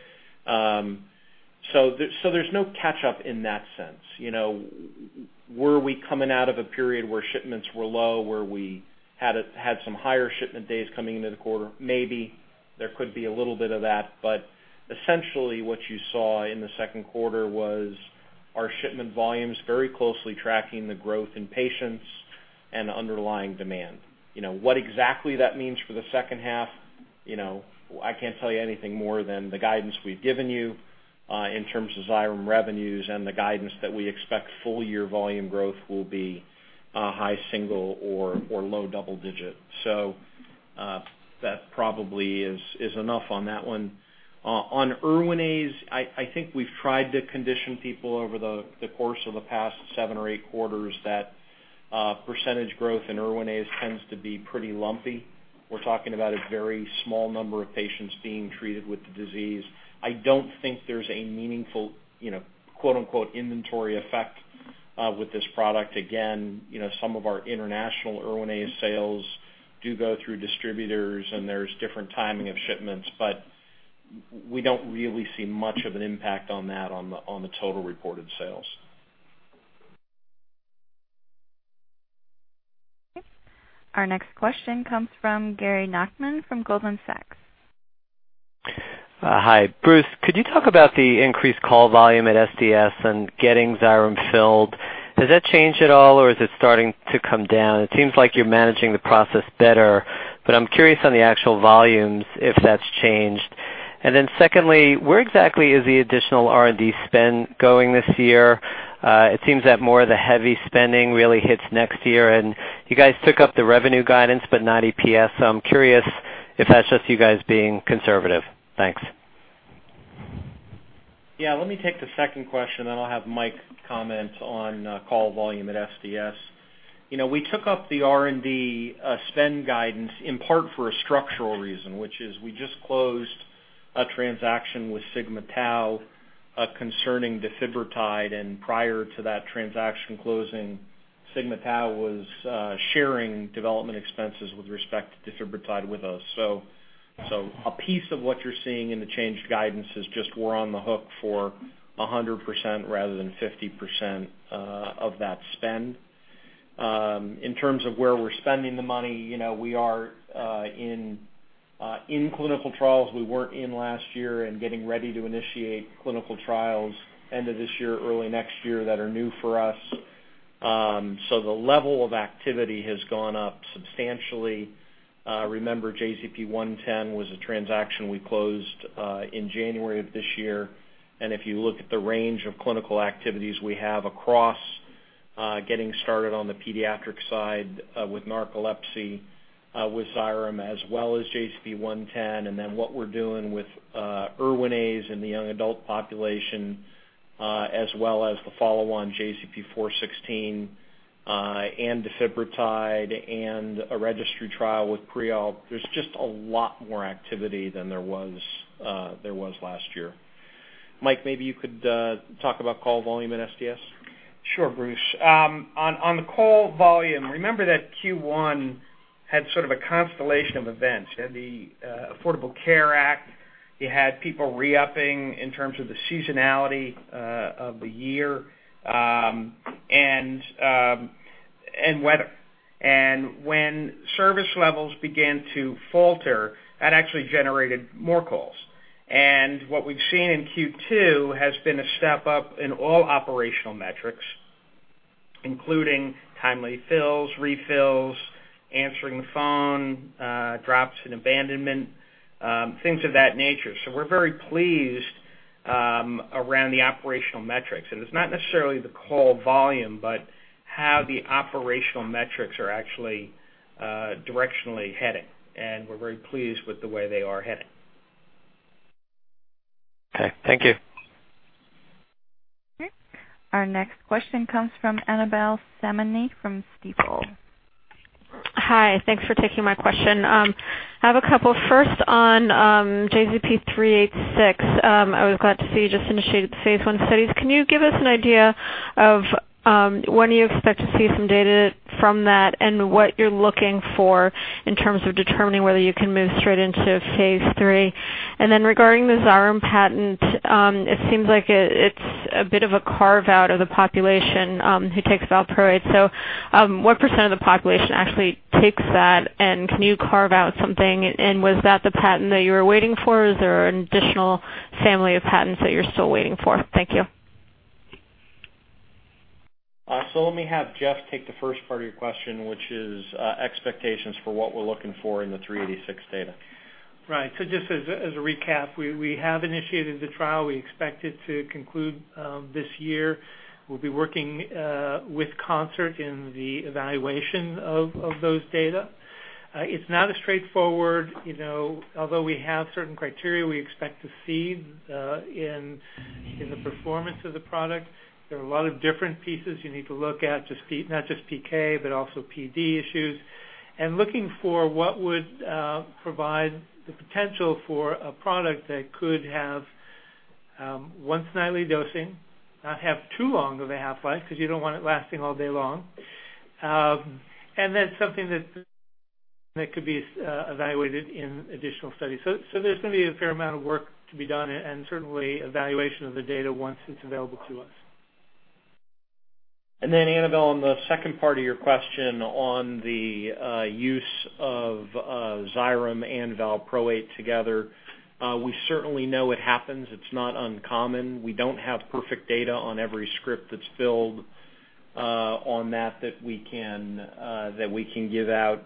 So there's no catch up in that sense. You know, were we coming out of a period where shipments were low, where we had some higher shipment days coming into the quarter? Maybe. There could be a little bit of that. Essentially, what you saw in the second quarter was our shipment volumes very closely tracking the growth in patients and underlying demand. You know what exactly that means for the second half, you know, I can't tell you anything more than the guidance we've given you, in terms of Xyrem revenues and the guidance that we expect full year volume growth will be, high single or low double digit. That probably is enough on that one. On Erwinaze, I think we've tried to condition people over the course of the past seven or eight quarters that percentage growth in Erwinaze tends to be pretty lumpy. We're talking about a very small number of patients being treated with the disease. I don't think there's a meaningful, you know, quote-unquote, inventory effect, with this product. Again, you know, some of our international Erwinaze sales do go through distributors, and there's different timing of shipments, but we don't really see much of an impact on that on the total reported sales. Okay. Our next question comes from Gary Nachman from Goldman Sachs. Hi. Bruce, could you talk about the increased call volume at ESSDS and getting Xyrem filled? Has that changed at all, or is it starting to come down? It seems like you're managing the process better, but I'm curious on the actual volumes, if that's changed. Secondly, where exactly is the additional R&D spend going this year? It seems that more of the heavy spending really hits next year, and you guys took up the revenue guidance, but not EPS. I'm curious if that's just you guys being conservative. Thanks. Yeah, let me take the second question, then I'll have Mike comment on call volume at ESSDS. You know, we took up the R&D spend guidance in part for a structural reason, which is we just closed a transaction with Sigma-Tau concerning Defibrotide, and prior to that transaction closing, Sigma-Tau was sharing development expenses with respect to Defibrotide with us. So a piece of what you're seeing in the changed guidance is just we're on the hook for 100% rather than 50% of that spend. In terms of where we're spending the money, you know, we are in clinical trials we weren't in last year and getting ready to initiate clinical trials end of this year, early next year that are new for us. So the level of activity has gone up substantially. Remember JZP-110 was a transaction we closed in January of this year. If you look at the range of clinical activities we have across getting started on the pediatric side with narcolepsy with Xyrem, as well as JZP-110, and then what we're doing with Erwinaze in the young adult population, as well as the follow-on JZP-416, and Defibrotide and a registry trial with Creal. There's just a lot more activity than there was last year. Mike, maybe you could talk about call volume at ESSDS. Sure, Bruce. On the call volume, remember that Q1 had sort of a constellation of events. You had the Affordable Care Act, you had people re-upping in terms of the seasonality of the year, and weather. When service levels began to falter, that actually generated more calls. What we've seen in Q2 has been a step up in all operational metrics, including timely fills, refills, answering the phone, drops and abandonment, things of that nature. We're very pleased around the operational metrics. It's not necessarily the call volume, but how the operational metrics are actually directionally heading. We're very pleased with the way they are heading. Okay. Thank you. Okay. Our next question comes from Annabel Samimy from Stifel. Hi. Thanks for taking my question. I have a couple. First on JZP-386. I was glad to see you just initiated the phase I studies. Can you give us an idea of when you expect to see some data from that and what you're looking for in terms of determining whether you can move straight into phase III? Regarding the Xyrem patent, it seems like it's a bit of a carve-out of the population who takes Valproate. What % of the population actually takes that, and can you carve out something? Was that the patent that you were waiting for, or is there an additional family of patents that you're still waiting for? Thank you. Let me have Jeff take the first part of your question, which is expectations for what we're looking for in the JZP-386 data. Just as a recap, we have initiated the trial. We expect it to conclude this year. We'll be working with Concert in the evaluation of those data. It's not as straightforward, you know, although we have certain criteria we expect to see in the performance of the product, there are a lot of different pieces you need to look at, not just PK, but also PD issues. Looking for what would provide the potential for a product that could have once nightly dosing, not have too long of a half-life because you don't want it lasting all day long. Something that could be evaluated in additional studies. So there's gonna be a fair amount of work to be done and certainly evaluation of the data once it's available to us. Annabel, on the second part of your question on the use of Xyrem and Valproate together, we certainly know it happens. It's not uncommon. We don't have perfect data on every script that's filled on that we can give out.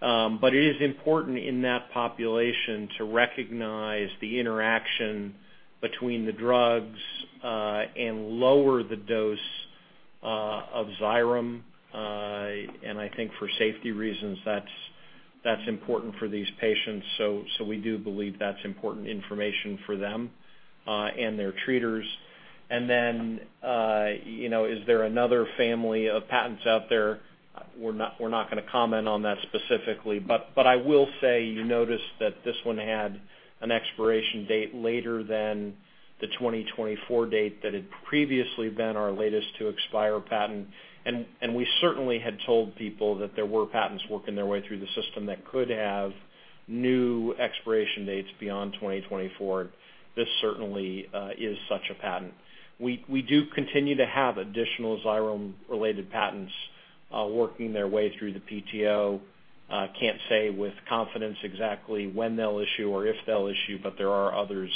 But it is important in that population to recognize the interaction between the drugs and lower the dose of Xyrem. And I think for safety reasons, that's important for these patients. So we do believe that's important information for them and their treaters. You know, is there another family of patents out there? We're not gonna comment on that specifically, but I will say you noticed that this one had an expiration date later than the 2024 date that had previously been our latest to expire patent. We certainly had told people that there were patents working their way through the system that could have new expiration dates beyond 2024. This certainly is such a patent. We do continue to have additional Xyrem-related patents working their way through the PTO. Can't say with confidence exactly when they'll issue or if they'll issue, but there are others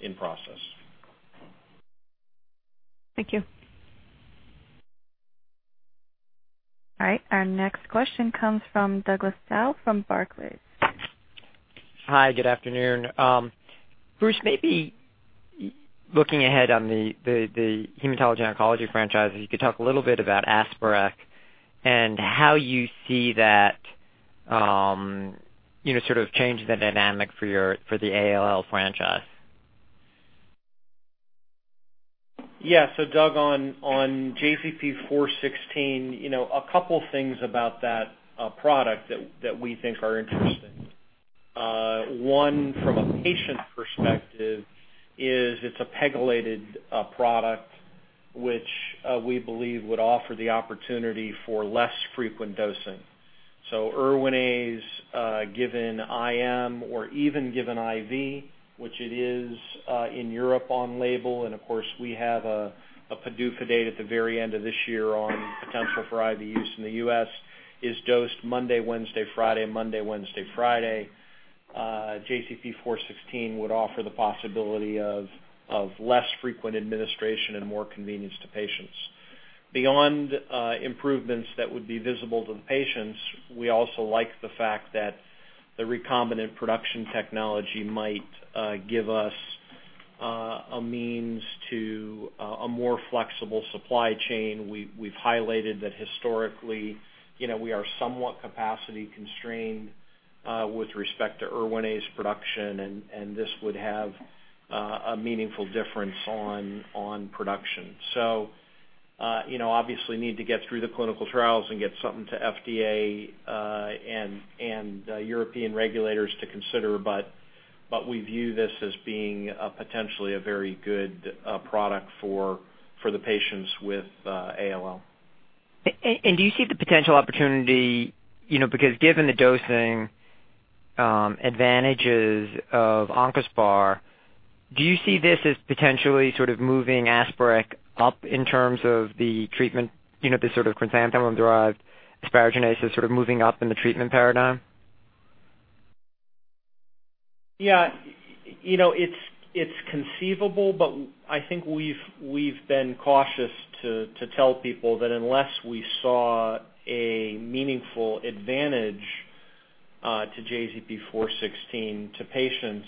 in process. Thank you. All right, our next question comes from Douglas Tsao from Barclays. Hi, good afternoon. Bruce, maybe looking ahead on the hematology oncology franchise, if you could talk a little bit about Asparec and how you see that, you know, sort of changing the dynamic for the ALL franchise. Yeah. Doug, on JZP-416, you know, a couple things about that product that we think are interesting. One from a patient perspective is it's a pegylated product which we believe would offer the opportunity for less frequent dosing. Erwinaze given IM or even given IV, which it is in Europe on label, and of course we have a PDUFA date at the very end of this year on potential for IV use in the U.S., is dosed Monday, Wednesday, Friday, Monday, Wednesday, Friday. JZP-416 would offer the possibility of less frequent administration and more convenience to patients. Beyond improvements that would be visible to the patients, we also like the fact that the recombinant production technology might give us a means to a more flexible supply chain. We've highlighted that historically, you know, we are somewhat capacity constrained with respect to Erwinaze production and this would have a meaningful difference on production. You know, obviously need to get through the clinical trials and get something to FDA and European regulators to consider. We view this as being a potentially very good product for the patients with ALL. Do you see the potential opportunity, you know, because given the dosing advantages of Oncaspar, do you see this as potentially sort of moving Asparec up in terms of the treatment, you know, the sort of chrysanthemi-derived asparaginase sort of moving up in the treatment paradigm? Yeah. You know, it's conceivable, but I think we've been cautious to tell people that unless we saw a meaningful advantage to JZP-416 to patients,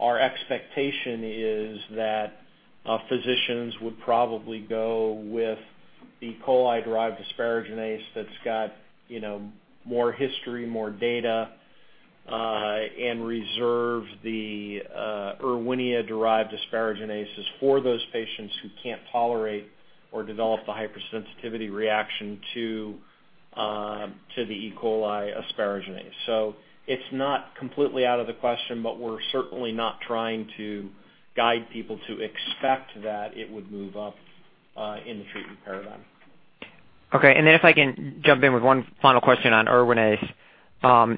our expectation is that physicians would probably go with E. coli-derived asparaginase that's got, you know, more history, more data, and reserve the Erwinia-derived asparaginases for those patients who can't tolerate or develop a hypersensitivity reaction to the E. coli asparaginase. It's not completely out of the question, but we're certainly not trying to guide people to expect that it would move up in the treatment paradigm. Okay. And if I can jump in with one final question on Erwinaze.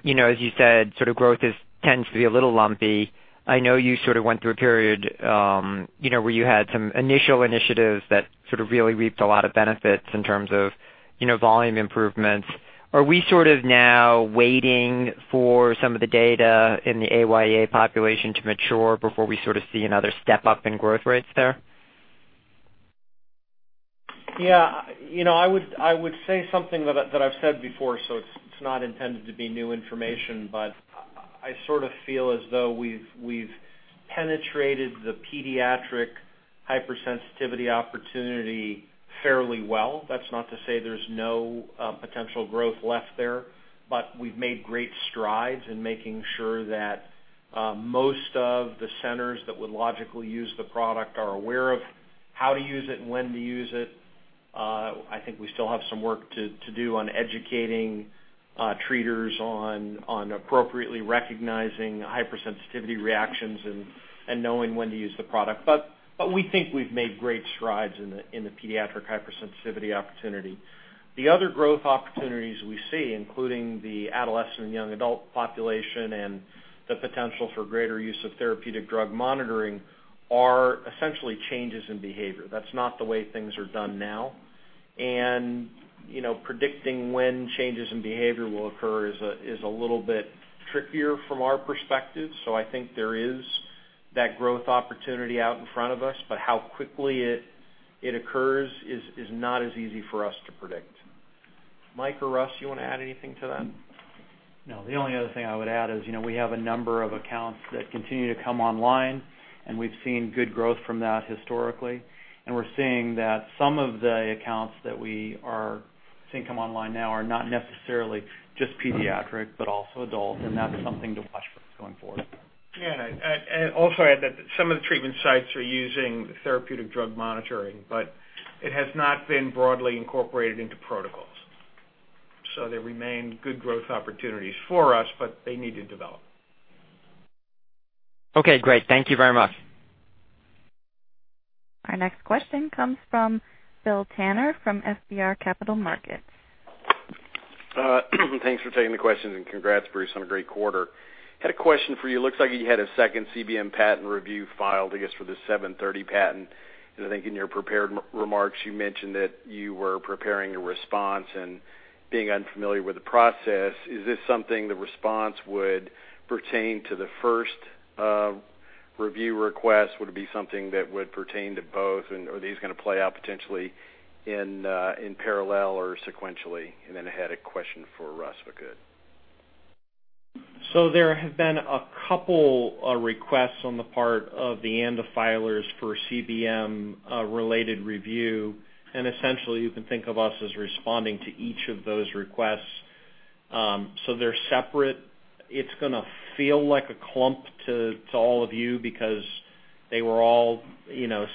You know, as you said, sort of growth tends to be a little lumpy. I know you sort of went through a period, you know, where you had some initial initiatives that sort of really reaped a lot of benefits in terms of, you know, volume improvements. Are we sort of now waiting for some of the data in the AYA population to mature before we sort of see another step up in growth rates there? Yeah. You know, I would say something that I've said before, so it's not intended to be new information, but I sort of feel as though we've penetrated the pediatric hypersensitivity opportunity fairly well. That's not to say there's no potential growth left there, but we've made great strides in making sure that most of the centers that would logically use the product are aware of how to use it and when to use it. I think we still have some work to do on educating treaters on appropriately recognizing hypersensitivity reactions and knowing when to use the product. We think we've made great strides in the pediatric hypersensitivity opportunity. The other growth opportunities we see, including the adolescent and young adult population and the potential for greater use of therapeutic drug monitoring, are essentially changes in behavior. That's not the way things are done now. You know, predicting when changes in behavior will occur is a little bit trickier from our perspective. I think there is that growth opportunity out in front of us, but how quickly it occurs is not as easy for us to predict. Mike or Russ, you wanna add anything to that? No. The only other thing I would add is, you know, we have a number of accounts that continue to come online, and we've seen good growth from that historically. We're seeing that some of the accounts that we are seeing come online now are not necessarily just pediatric, but also adult, and that's something to watch for going forward. And also add that some of the treatment sites are using therapeutic drug monitoring, but it has not been broadly incorporated into protocols. They remain good growth opportunities for us, but they need to develop. Okay, great. Thank you very much. Our next question comes from Bill Tanner from FBR Capital Markets. Thanks for taking the questions and congrats, Bruce, on a great quarter. Had a question for you. Looks like you had a second CBM patent review filed, I guess, for the 737 patent. I think in your prepared remarks, you mentioned that you were preparing a response and being unfamiliar with the process. Is this something the response would pertain to the first review request? Would it be something that would pertain to both? Are these gonna play out potentially in parallel or sequentially? Then I had a question for Russ, if I could. There have been a couple requests on the part of the ANDA filers for CBM related review, and essentially you can think of us as responding to each of those requests. They're separate. It's gonna feel like a clump to all of you because they were all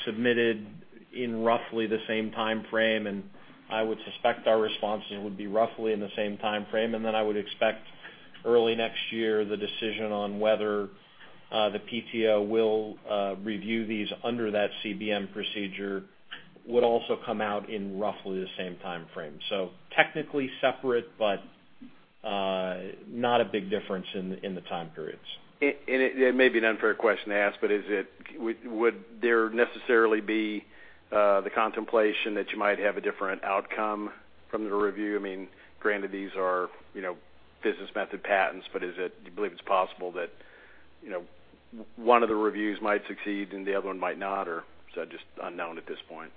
submitted in roughly the same timeframe. I would suspect our responses would be roughly in the same timeframe. I would expect early next year, the decision on whether the PTO will review these under that CBM procedure would also come out in roughly the same timeframe. Technically separate, but not a big difference in the time periods. It may be an unfair question to ask, but is it? Would there necessarily be the contemplation that you might have a different outcome from the review? I mean, granted, these are, you know, business method patents, but is it? Do you believe it's possible that, you know, one of the reviews might succeed and the other one might not? Or is that just unknown at this point?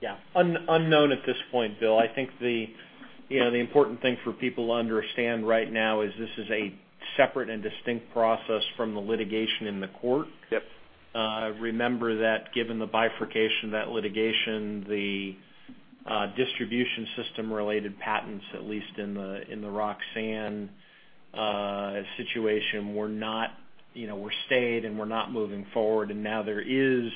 Yeah. Unknown at this point, Bill. I think the, you know, the important thing for people to understand right now is this is a separate and distinct process from the litigation in the court. Yep. Remember that given the bifurcation of that litigation, the distribution system-related patents, at least in the Roxane situation, were not stayed and were not moving forward. Now there is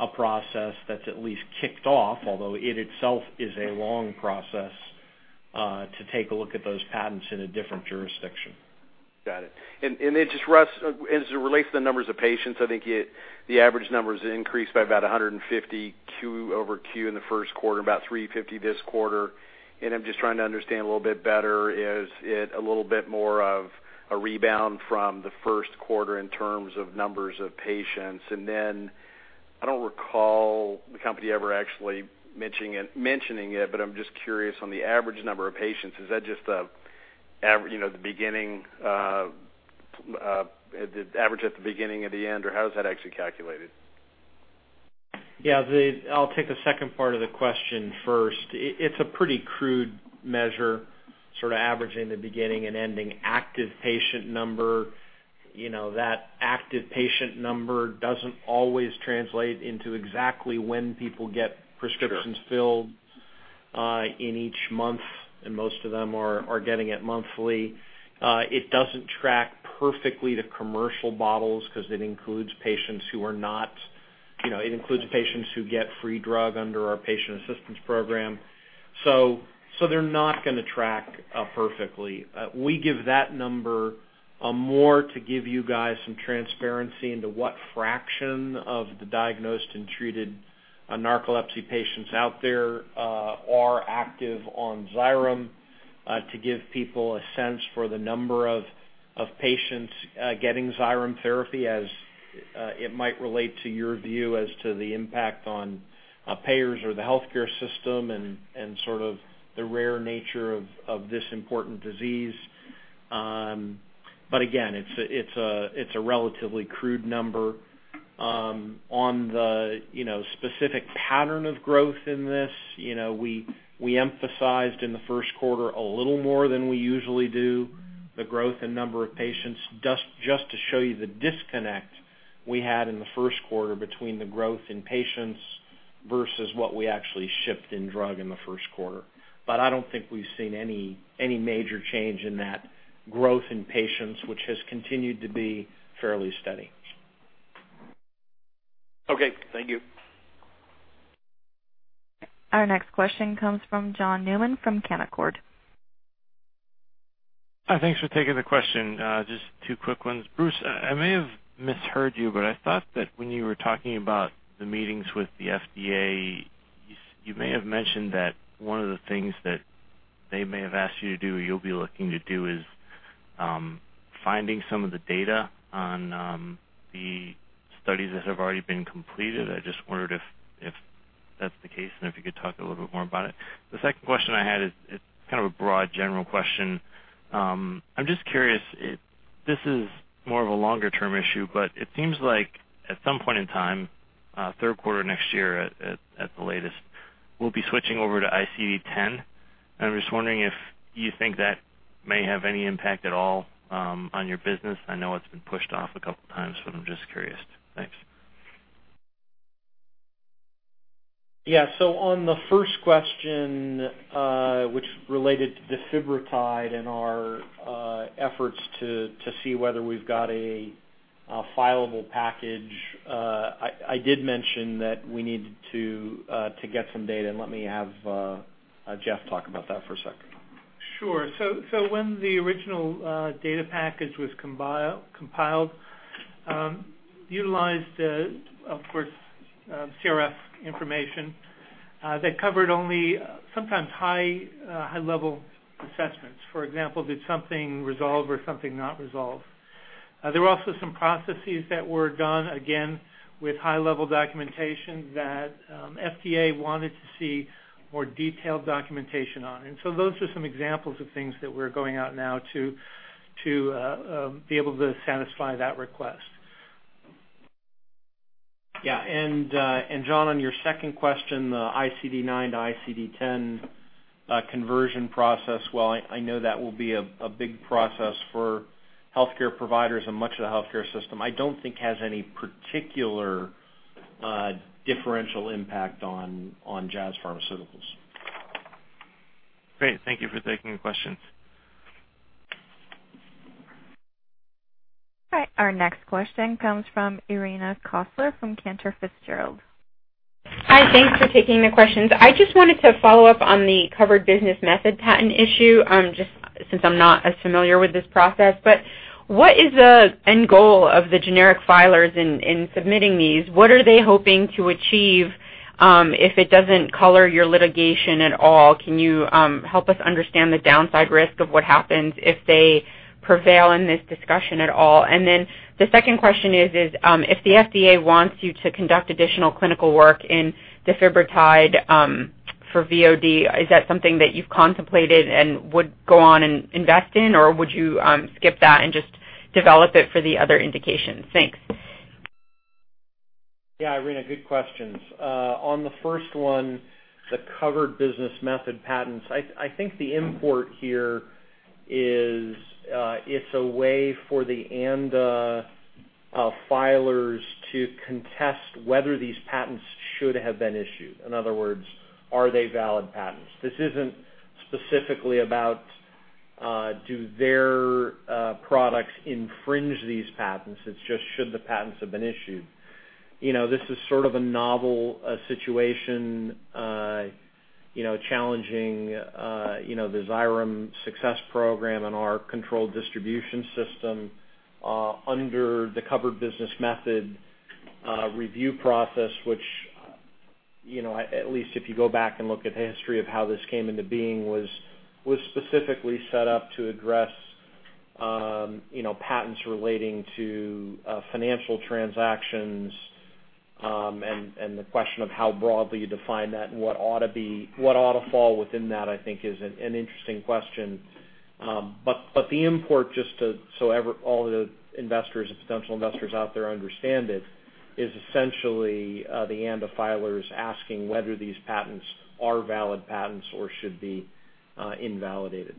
a process that's at least kicked off, although it itself is a long process, to take a look at those patents in a different jurisdiction. Got it. Then just Russ, as it relates to the numbers of patients, I think the average numbers increased by about 150 Q-over-Q in the first quarter, about 350 this quarter. I'm just trying to understand a little bit better. Is it a little bit more of a rebound from the first quarter in terms of numbers of patients? Then I don't recall the company ever actually mentioning it, but I'm just curious on the average number of patients. Is that just you know, the average at the beginning or the end? Or how is that actually calculated? Yeah. I'll take the second part of the question first. It's a pretty crude measure, sort of averaging the beginning and ending active patient number. You know, that active patient number doesn't always translate into exactly when people get prescriptions filled. In each month, and most of them are getting it monthly. It doesn't track perfectly to commercial bottles 'cause it includes patients who are not, you know, it includes patients who get free drug under our patient assistance program. So they're not gonna track perfectly. We give that number more to give you guys some transparency into what fraction of the diagnosed and treated narcolepsy patients out there are active on Xyrem, to give people a sense for the number of patients getting Xyrem therapy as it might relate to your view as to the impact on payers or the healthcare system and sort of the rare nature of this important disease. But again, it's a relatively crude number. On the, you know, specific pattern of growth in this, you know, we emphasized in the first quarter a little more than we usually do the growth in number of patients, just to show you the disconnect we had in the first quarter between the growth in patients versus what we actually shipped in drug in the first quarter. I don't think we've seen any major change in that growth in patients, which has continued to be fairly steady. Okay. Thank you. Our next question comes from John Newman from Canaccord. Thanks for taking the question. Just two quick ones. Bruce, I may have misheard you, but I thought that when you were talking about the meetings with the FDA, you may have mentioned that one of the things that they may have asked you to do or you'll be looking to do is finding some of the data on the studies that have already been completed. I just wondered if that's the case, and if you could talk a little bit more about it. The second question I had is kind of a broad general question. I'm just curious. This is more of a longer term issue, but it seems like at some point in time, third quarter next year at the latest, we'll be switching over to ICD-10. I'm just wondering if you think that may have any impact at all, on your business. I know it's been pushed off a couple times, but I'm just curious. Thanks. Yeah. On the first question, which related to Defibrotide and our efforts to see whether we've got a fileable package, I did mention that we needed to get some data, and let me have Jeff talk about that for a second. Sure. When the original data package was compiled, utilized, of course, CRF information, that covered only sometimes high-level assessments. For example, did something resolve or something not resolve? There were also some processes that were done, again, with high-level documentation that FDA wanted to see more detailed documentation on. Those are some examples of things that we're going out now to be able to satisfy that request. Yeah. John, on your second question, the ICD-9-ICD-10 conversion process, while I know that will be a big process for healthcare providers and much of the healthcare system, I don't think has any particular differential impact on Jazz Pharmaceuticals. Great. Thank you for taking the questions. All right, our next question comes from Irina Koffler from Cantor Fitzgerald. Hi. Thanks for taking the questions. I just wanted to follow up on the covered business method patent issue, just since I'm not as familiar with this process. What is the end goal of the generic filers in submitting these? What are they hoping to achieve, if it doesn't color your litigation at all? Can you help us understand the downside risk of what happens if they prevail in this discussion at all? Then the second question is, if the FDA wants you to conduct additional clinical work in Defibrotide, for VOD, is that something that you've contemplated and would go on and invest in? Or would you skip that and just develop it for the other indications? Thanks. Yeah, Irina, good questions. On the first one, the covered business method patents, I think the import here is, it's a way for the ANDA filers to contest whether these patents should have been issued. In other words, are they valid patents? This isn't specifically about whether their products infringe these patents. It's just should the patents have been issued. You know, this is sort of a novel situation, you know, challenging, you know, the Xyrem Success Program and our controlled distribution system under the Covered Business Method review process, which, you know, at least if you go back and look at the history of how this came into being, was specifically set up to address, you know, patents relating to financial transactions, and the question of how broadly you define that and what ought to fall within that, I think is an interesting question. But the import, just so all the investors and potential investors out there understand it, is essentially the ANDA filers asking whether these patents are valid patents or should be invalidated.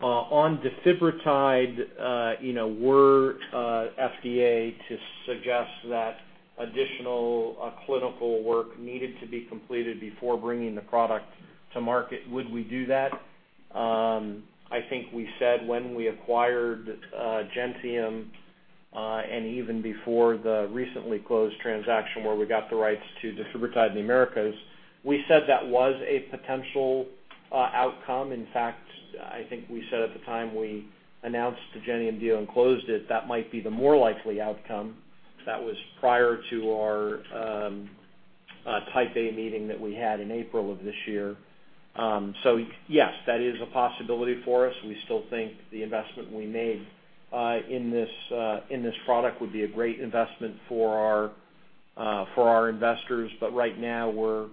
On Defibrotide, you know, if the FDA were to suggest that additional clinical work needed to be completed before bringing the product to market, would we do that? I think we said when we acquired Gentium, and even before the recently closed transaction where we got the rights to Defibrotide in the Americas, we said that was a potential outcome. In fact, I think we said at the time we announced the Gentium deal and closed it, that might be the more likely outcome. That was prior to our Type A meeting that we had in April of this year. Yes, that is a possibility for us. We still think the investment we made in this product would be a great investment for our investors. Right now we're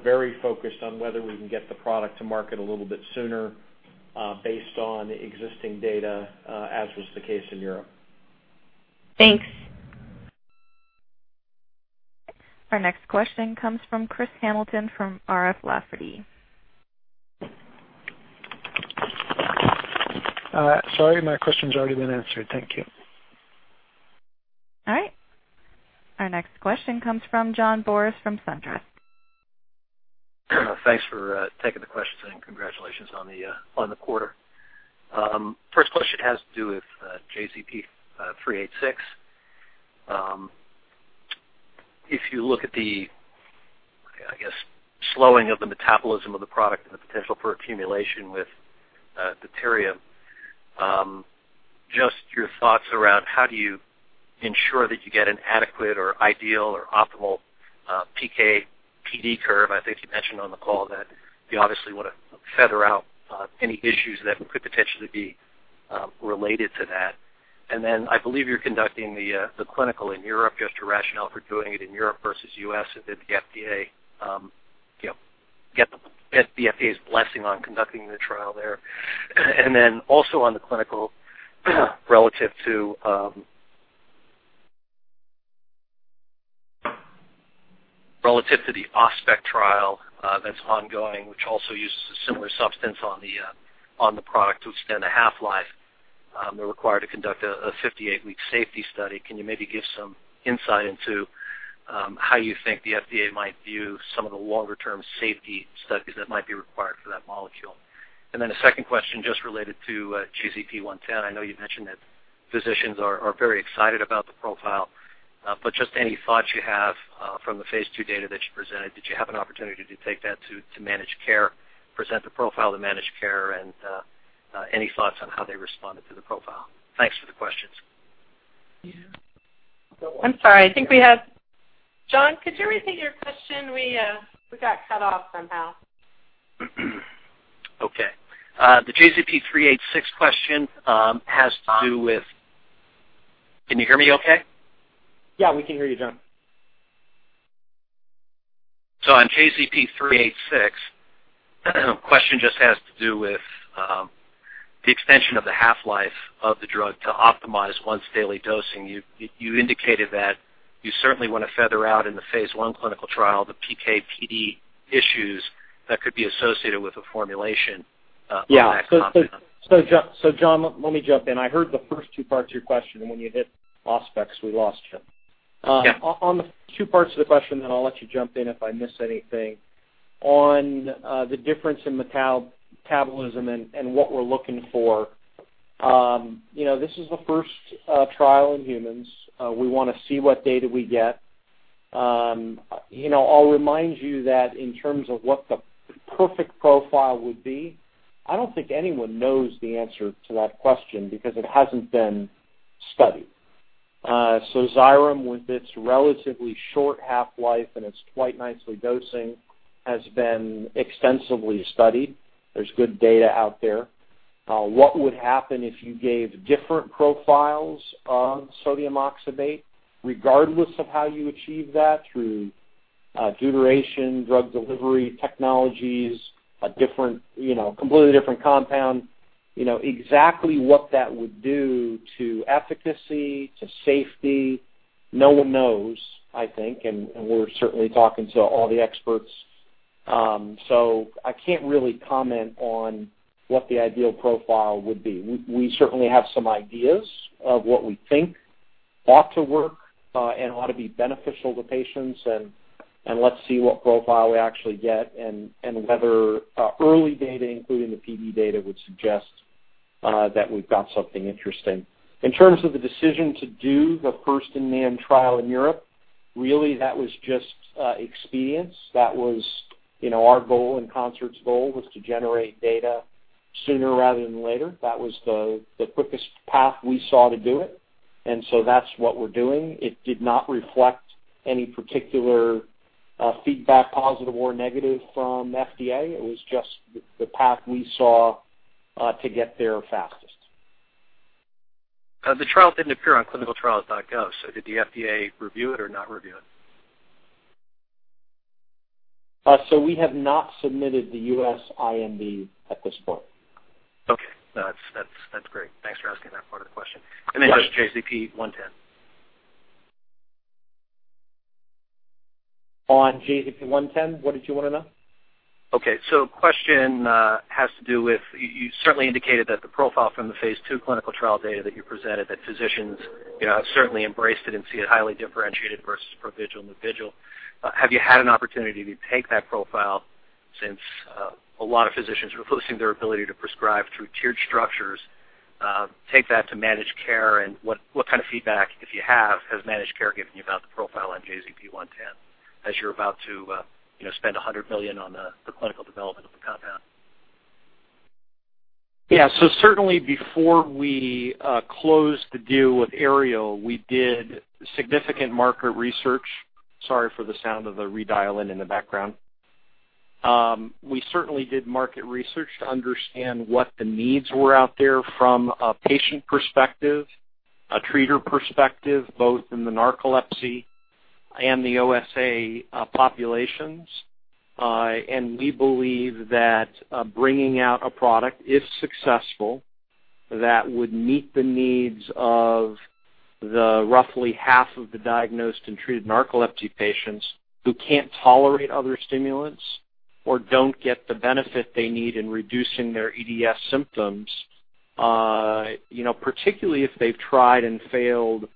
very focused on whether we can get the product to market a little bit sooner, based on existing data, as was the case in Europe. Thanks. Our next question comes from Chris Hamilton from R.F. Lafferty. Sorry, my question's already been answered. Thank you. All right. Our next question comes from John Boris from SunTrust. Thanks for taking the questions, and congratulations on the quarter. First question has to do with JZP-386. If you look at the, I guess, slowing of the metabolism of the product and the potential for accumulation with deuterium, just your thoughts around how do you ensure that you get an adequate or ideal or optimal PK/PD curve. I think you mentioned on the call that you obviously wanna flesh out any issues that could potentially be related to that. Then I believe you're conducting the clinical in Europe. Just your rationale for doing it in Europe versus U.S. and did the FDA get the FDA's blessing on conducting the trial there. Then also on the clinical, relative to... Relative to the off-spec trial that's ongoing, which also uses a similar substance on the product to extend the half-life. They're required to conduct a 58-week safety study. Can you maybe give some insight into how you think the FDA might view some of the longer term safety studies that might be required for that molecule? Then a second question just related to JZP-110. I know you mentioned that physicians are very excited about the profile, but just any thoughts you have from the phase II data that you presented. Did you have an opportunity to take that to managed care, present the profile to managed care and any thoughts on how they responded to the profile? Thanks for the questions. Yeah. I'm sorry. John, could you repeat your question? We got cut off somehow. Okay. The JZP-386 question has to do with. Can you hear me okay? Yeah, we can hear you, John. On JZP-386, question just has to do with the extension of the half-life of the drug to optimize once daily dosing. You indicated that you certainly wanna figure out in the phase I clinical trial the PK/PD issues that could be associated with a formulation on that compound. Yeah. John, let me jump in. I heard the first two parts of your question, and when you hit prospects, we lost you. On the two parts of the question, then I'll let you jump in if I miss anything. On the difference in metabolism and what we're looking for, you know, this is the first trial in humans. We wanna see what data we get. You know, I'll remind you that in terms of what the perfect profile would be, I don't think anyone knows the answer to that question because it hasn't been studied. Xyrem with its relatively short half-life and its twice nightly dosing has been extensively studied. There's good data out there. What would happen if you gave different profiles of sodium oxybate regardless of how you achieve that through deuteration, drug delivery technologies, a different, you know, completely different compound, you know, exactly what that would do to efficacy, to safety, no one knows, I think, and we're certainly talking to all the experts. I can't really comment on what the ideal profile would be. We certainly have some ideas of what we think ought to work and ought to be beneficial to patients and let's see what profile we actually get and whether early data, including the PD data, would suggest that we've got something interesting. In terms of the decision to do the first-in-man trial in Europe, really that was just experience. That was, you know, our goal and Concert's goal was to generate data sooner rather than later. That was the quickest path we saw to do it, and so that's what we're doing. It did not reflect any particular feedback, positive or negative from FDA. It was just the path we saw to get there fastest. The trial didn't appear on ClinicalTrials.gov, so did the FDA review it or not review it? We have not submitted the U.S. IND at this point. Okay. No, that's great. Thanks for asking that part of the question. Just JZP-110. On JZP-110, what did you wanna know? Okay. Question has to do with you. You certainly indicated that the profile from the phase II clinical trial data that you presented, that physicians, you know, have certainly embraced it and see it highly differentiated versus Provigil and Nuvigil. Have you had an opportunity to take that profile since a lot of physicians are losing their ability to prescribe through tiered structures, take that to managed care and what kind of feedback, if you have, has managed care given you about the profile on JZP-110 as you're about to, you know, spend $100 million on the clinical development of the compound? Yeah. Certainly before we closed the deal with Aerial, we did significant market research. Sorry for the sound of the redial in the background. We certainly did market research to understand what the needs were out there from a patient perspective, a treater perspective, both in the narcolepsy and the OSA populations. We believe that bringing out a product, if successful, that would meet the needs of the roughly half of the diagnosed and treated narcolepsy patients who can't tolerate other stimulants or don't get the benefit they need in reducing their EDS symptoms, you know, particularly if they've tried and failed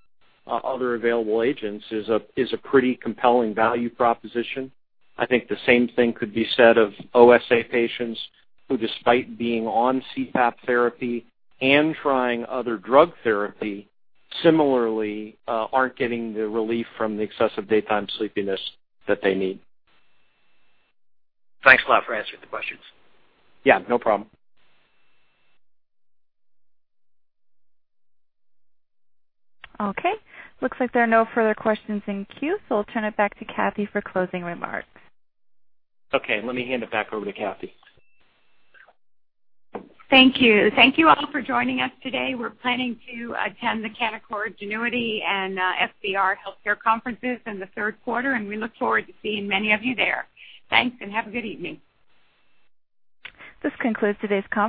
other available agents, is a pretty compelling value proposition. I think the same thing could be said of OSA patients who despite being on CPAP therapy and trying other drug therapy, similarly, aren't getting the relief from the excessive daytime sleepiness that they need. Thanks a lot for answering the questions. Yeah, no problem. Okay. Looks like there are no further questions in queue, so I'll turn it back to Kathee for closing remarks. Okay. Let me hand it back over to Kathee. Thank you. Thank you all for joining us today. We're planning to attend the Canaccord Genuity and FBR healthcare conferences in the third quarter, and we look forward to seeing many of you there. Thanks, and have a good evening. This concludes today's call.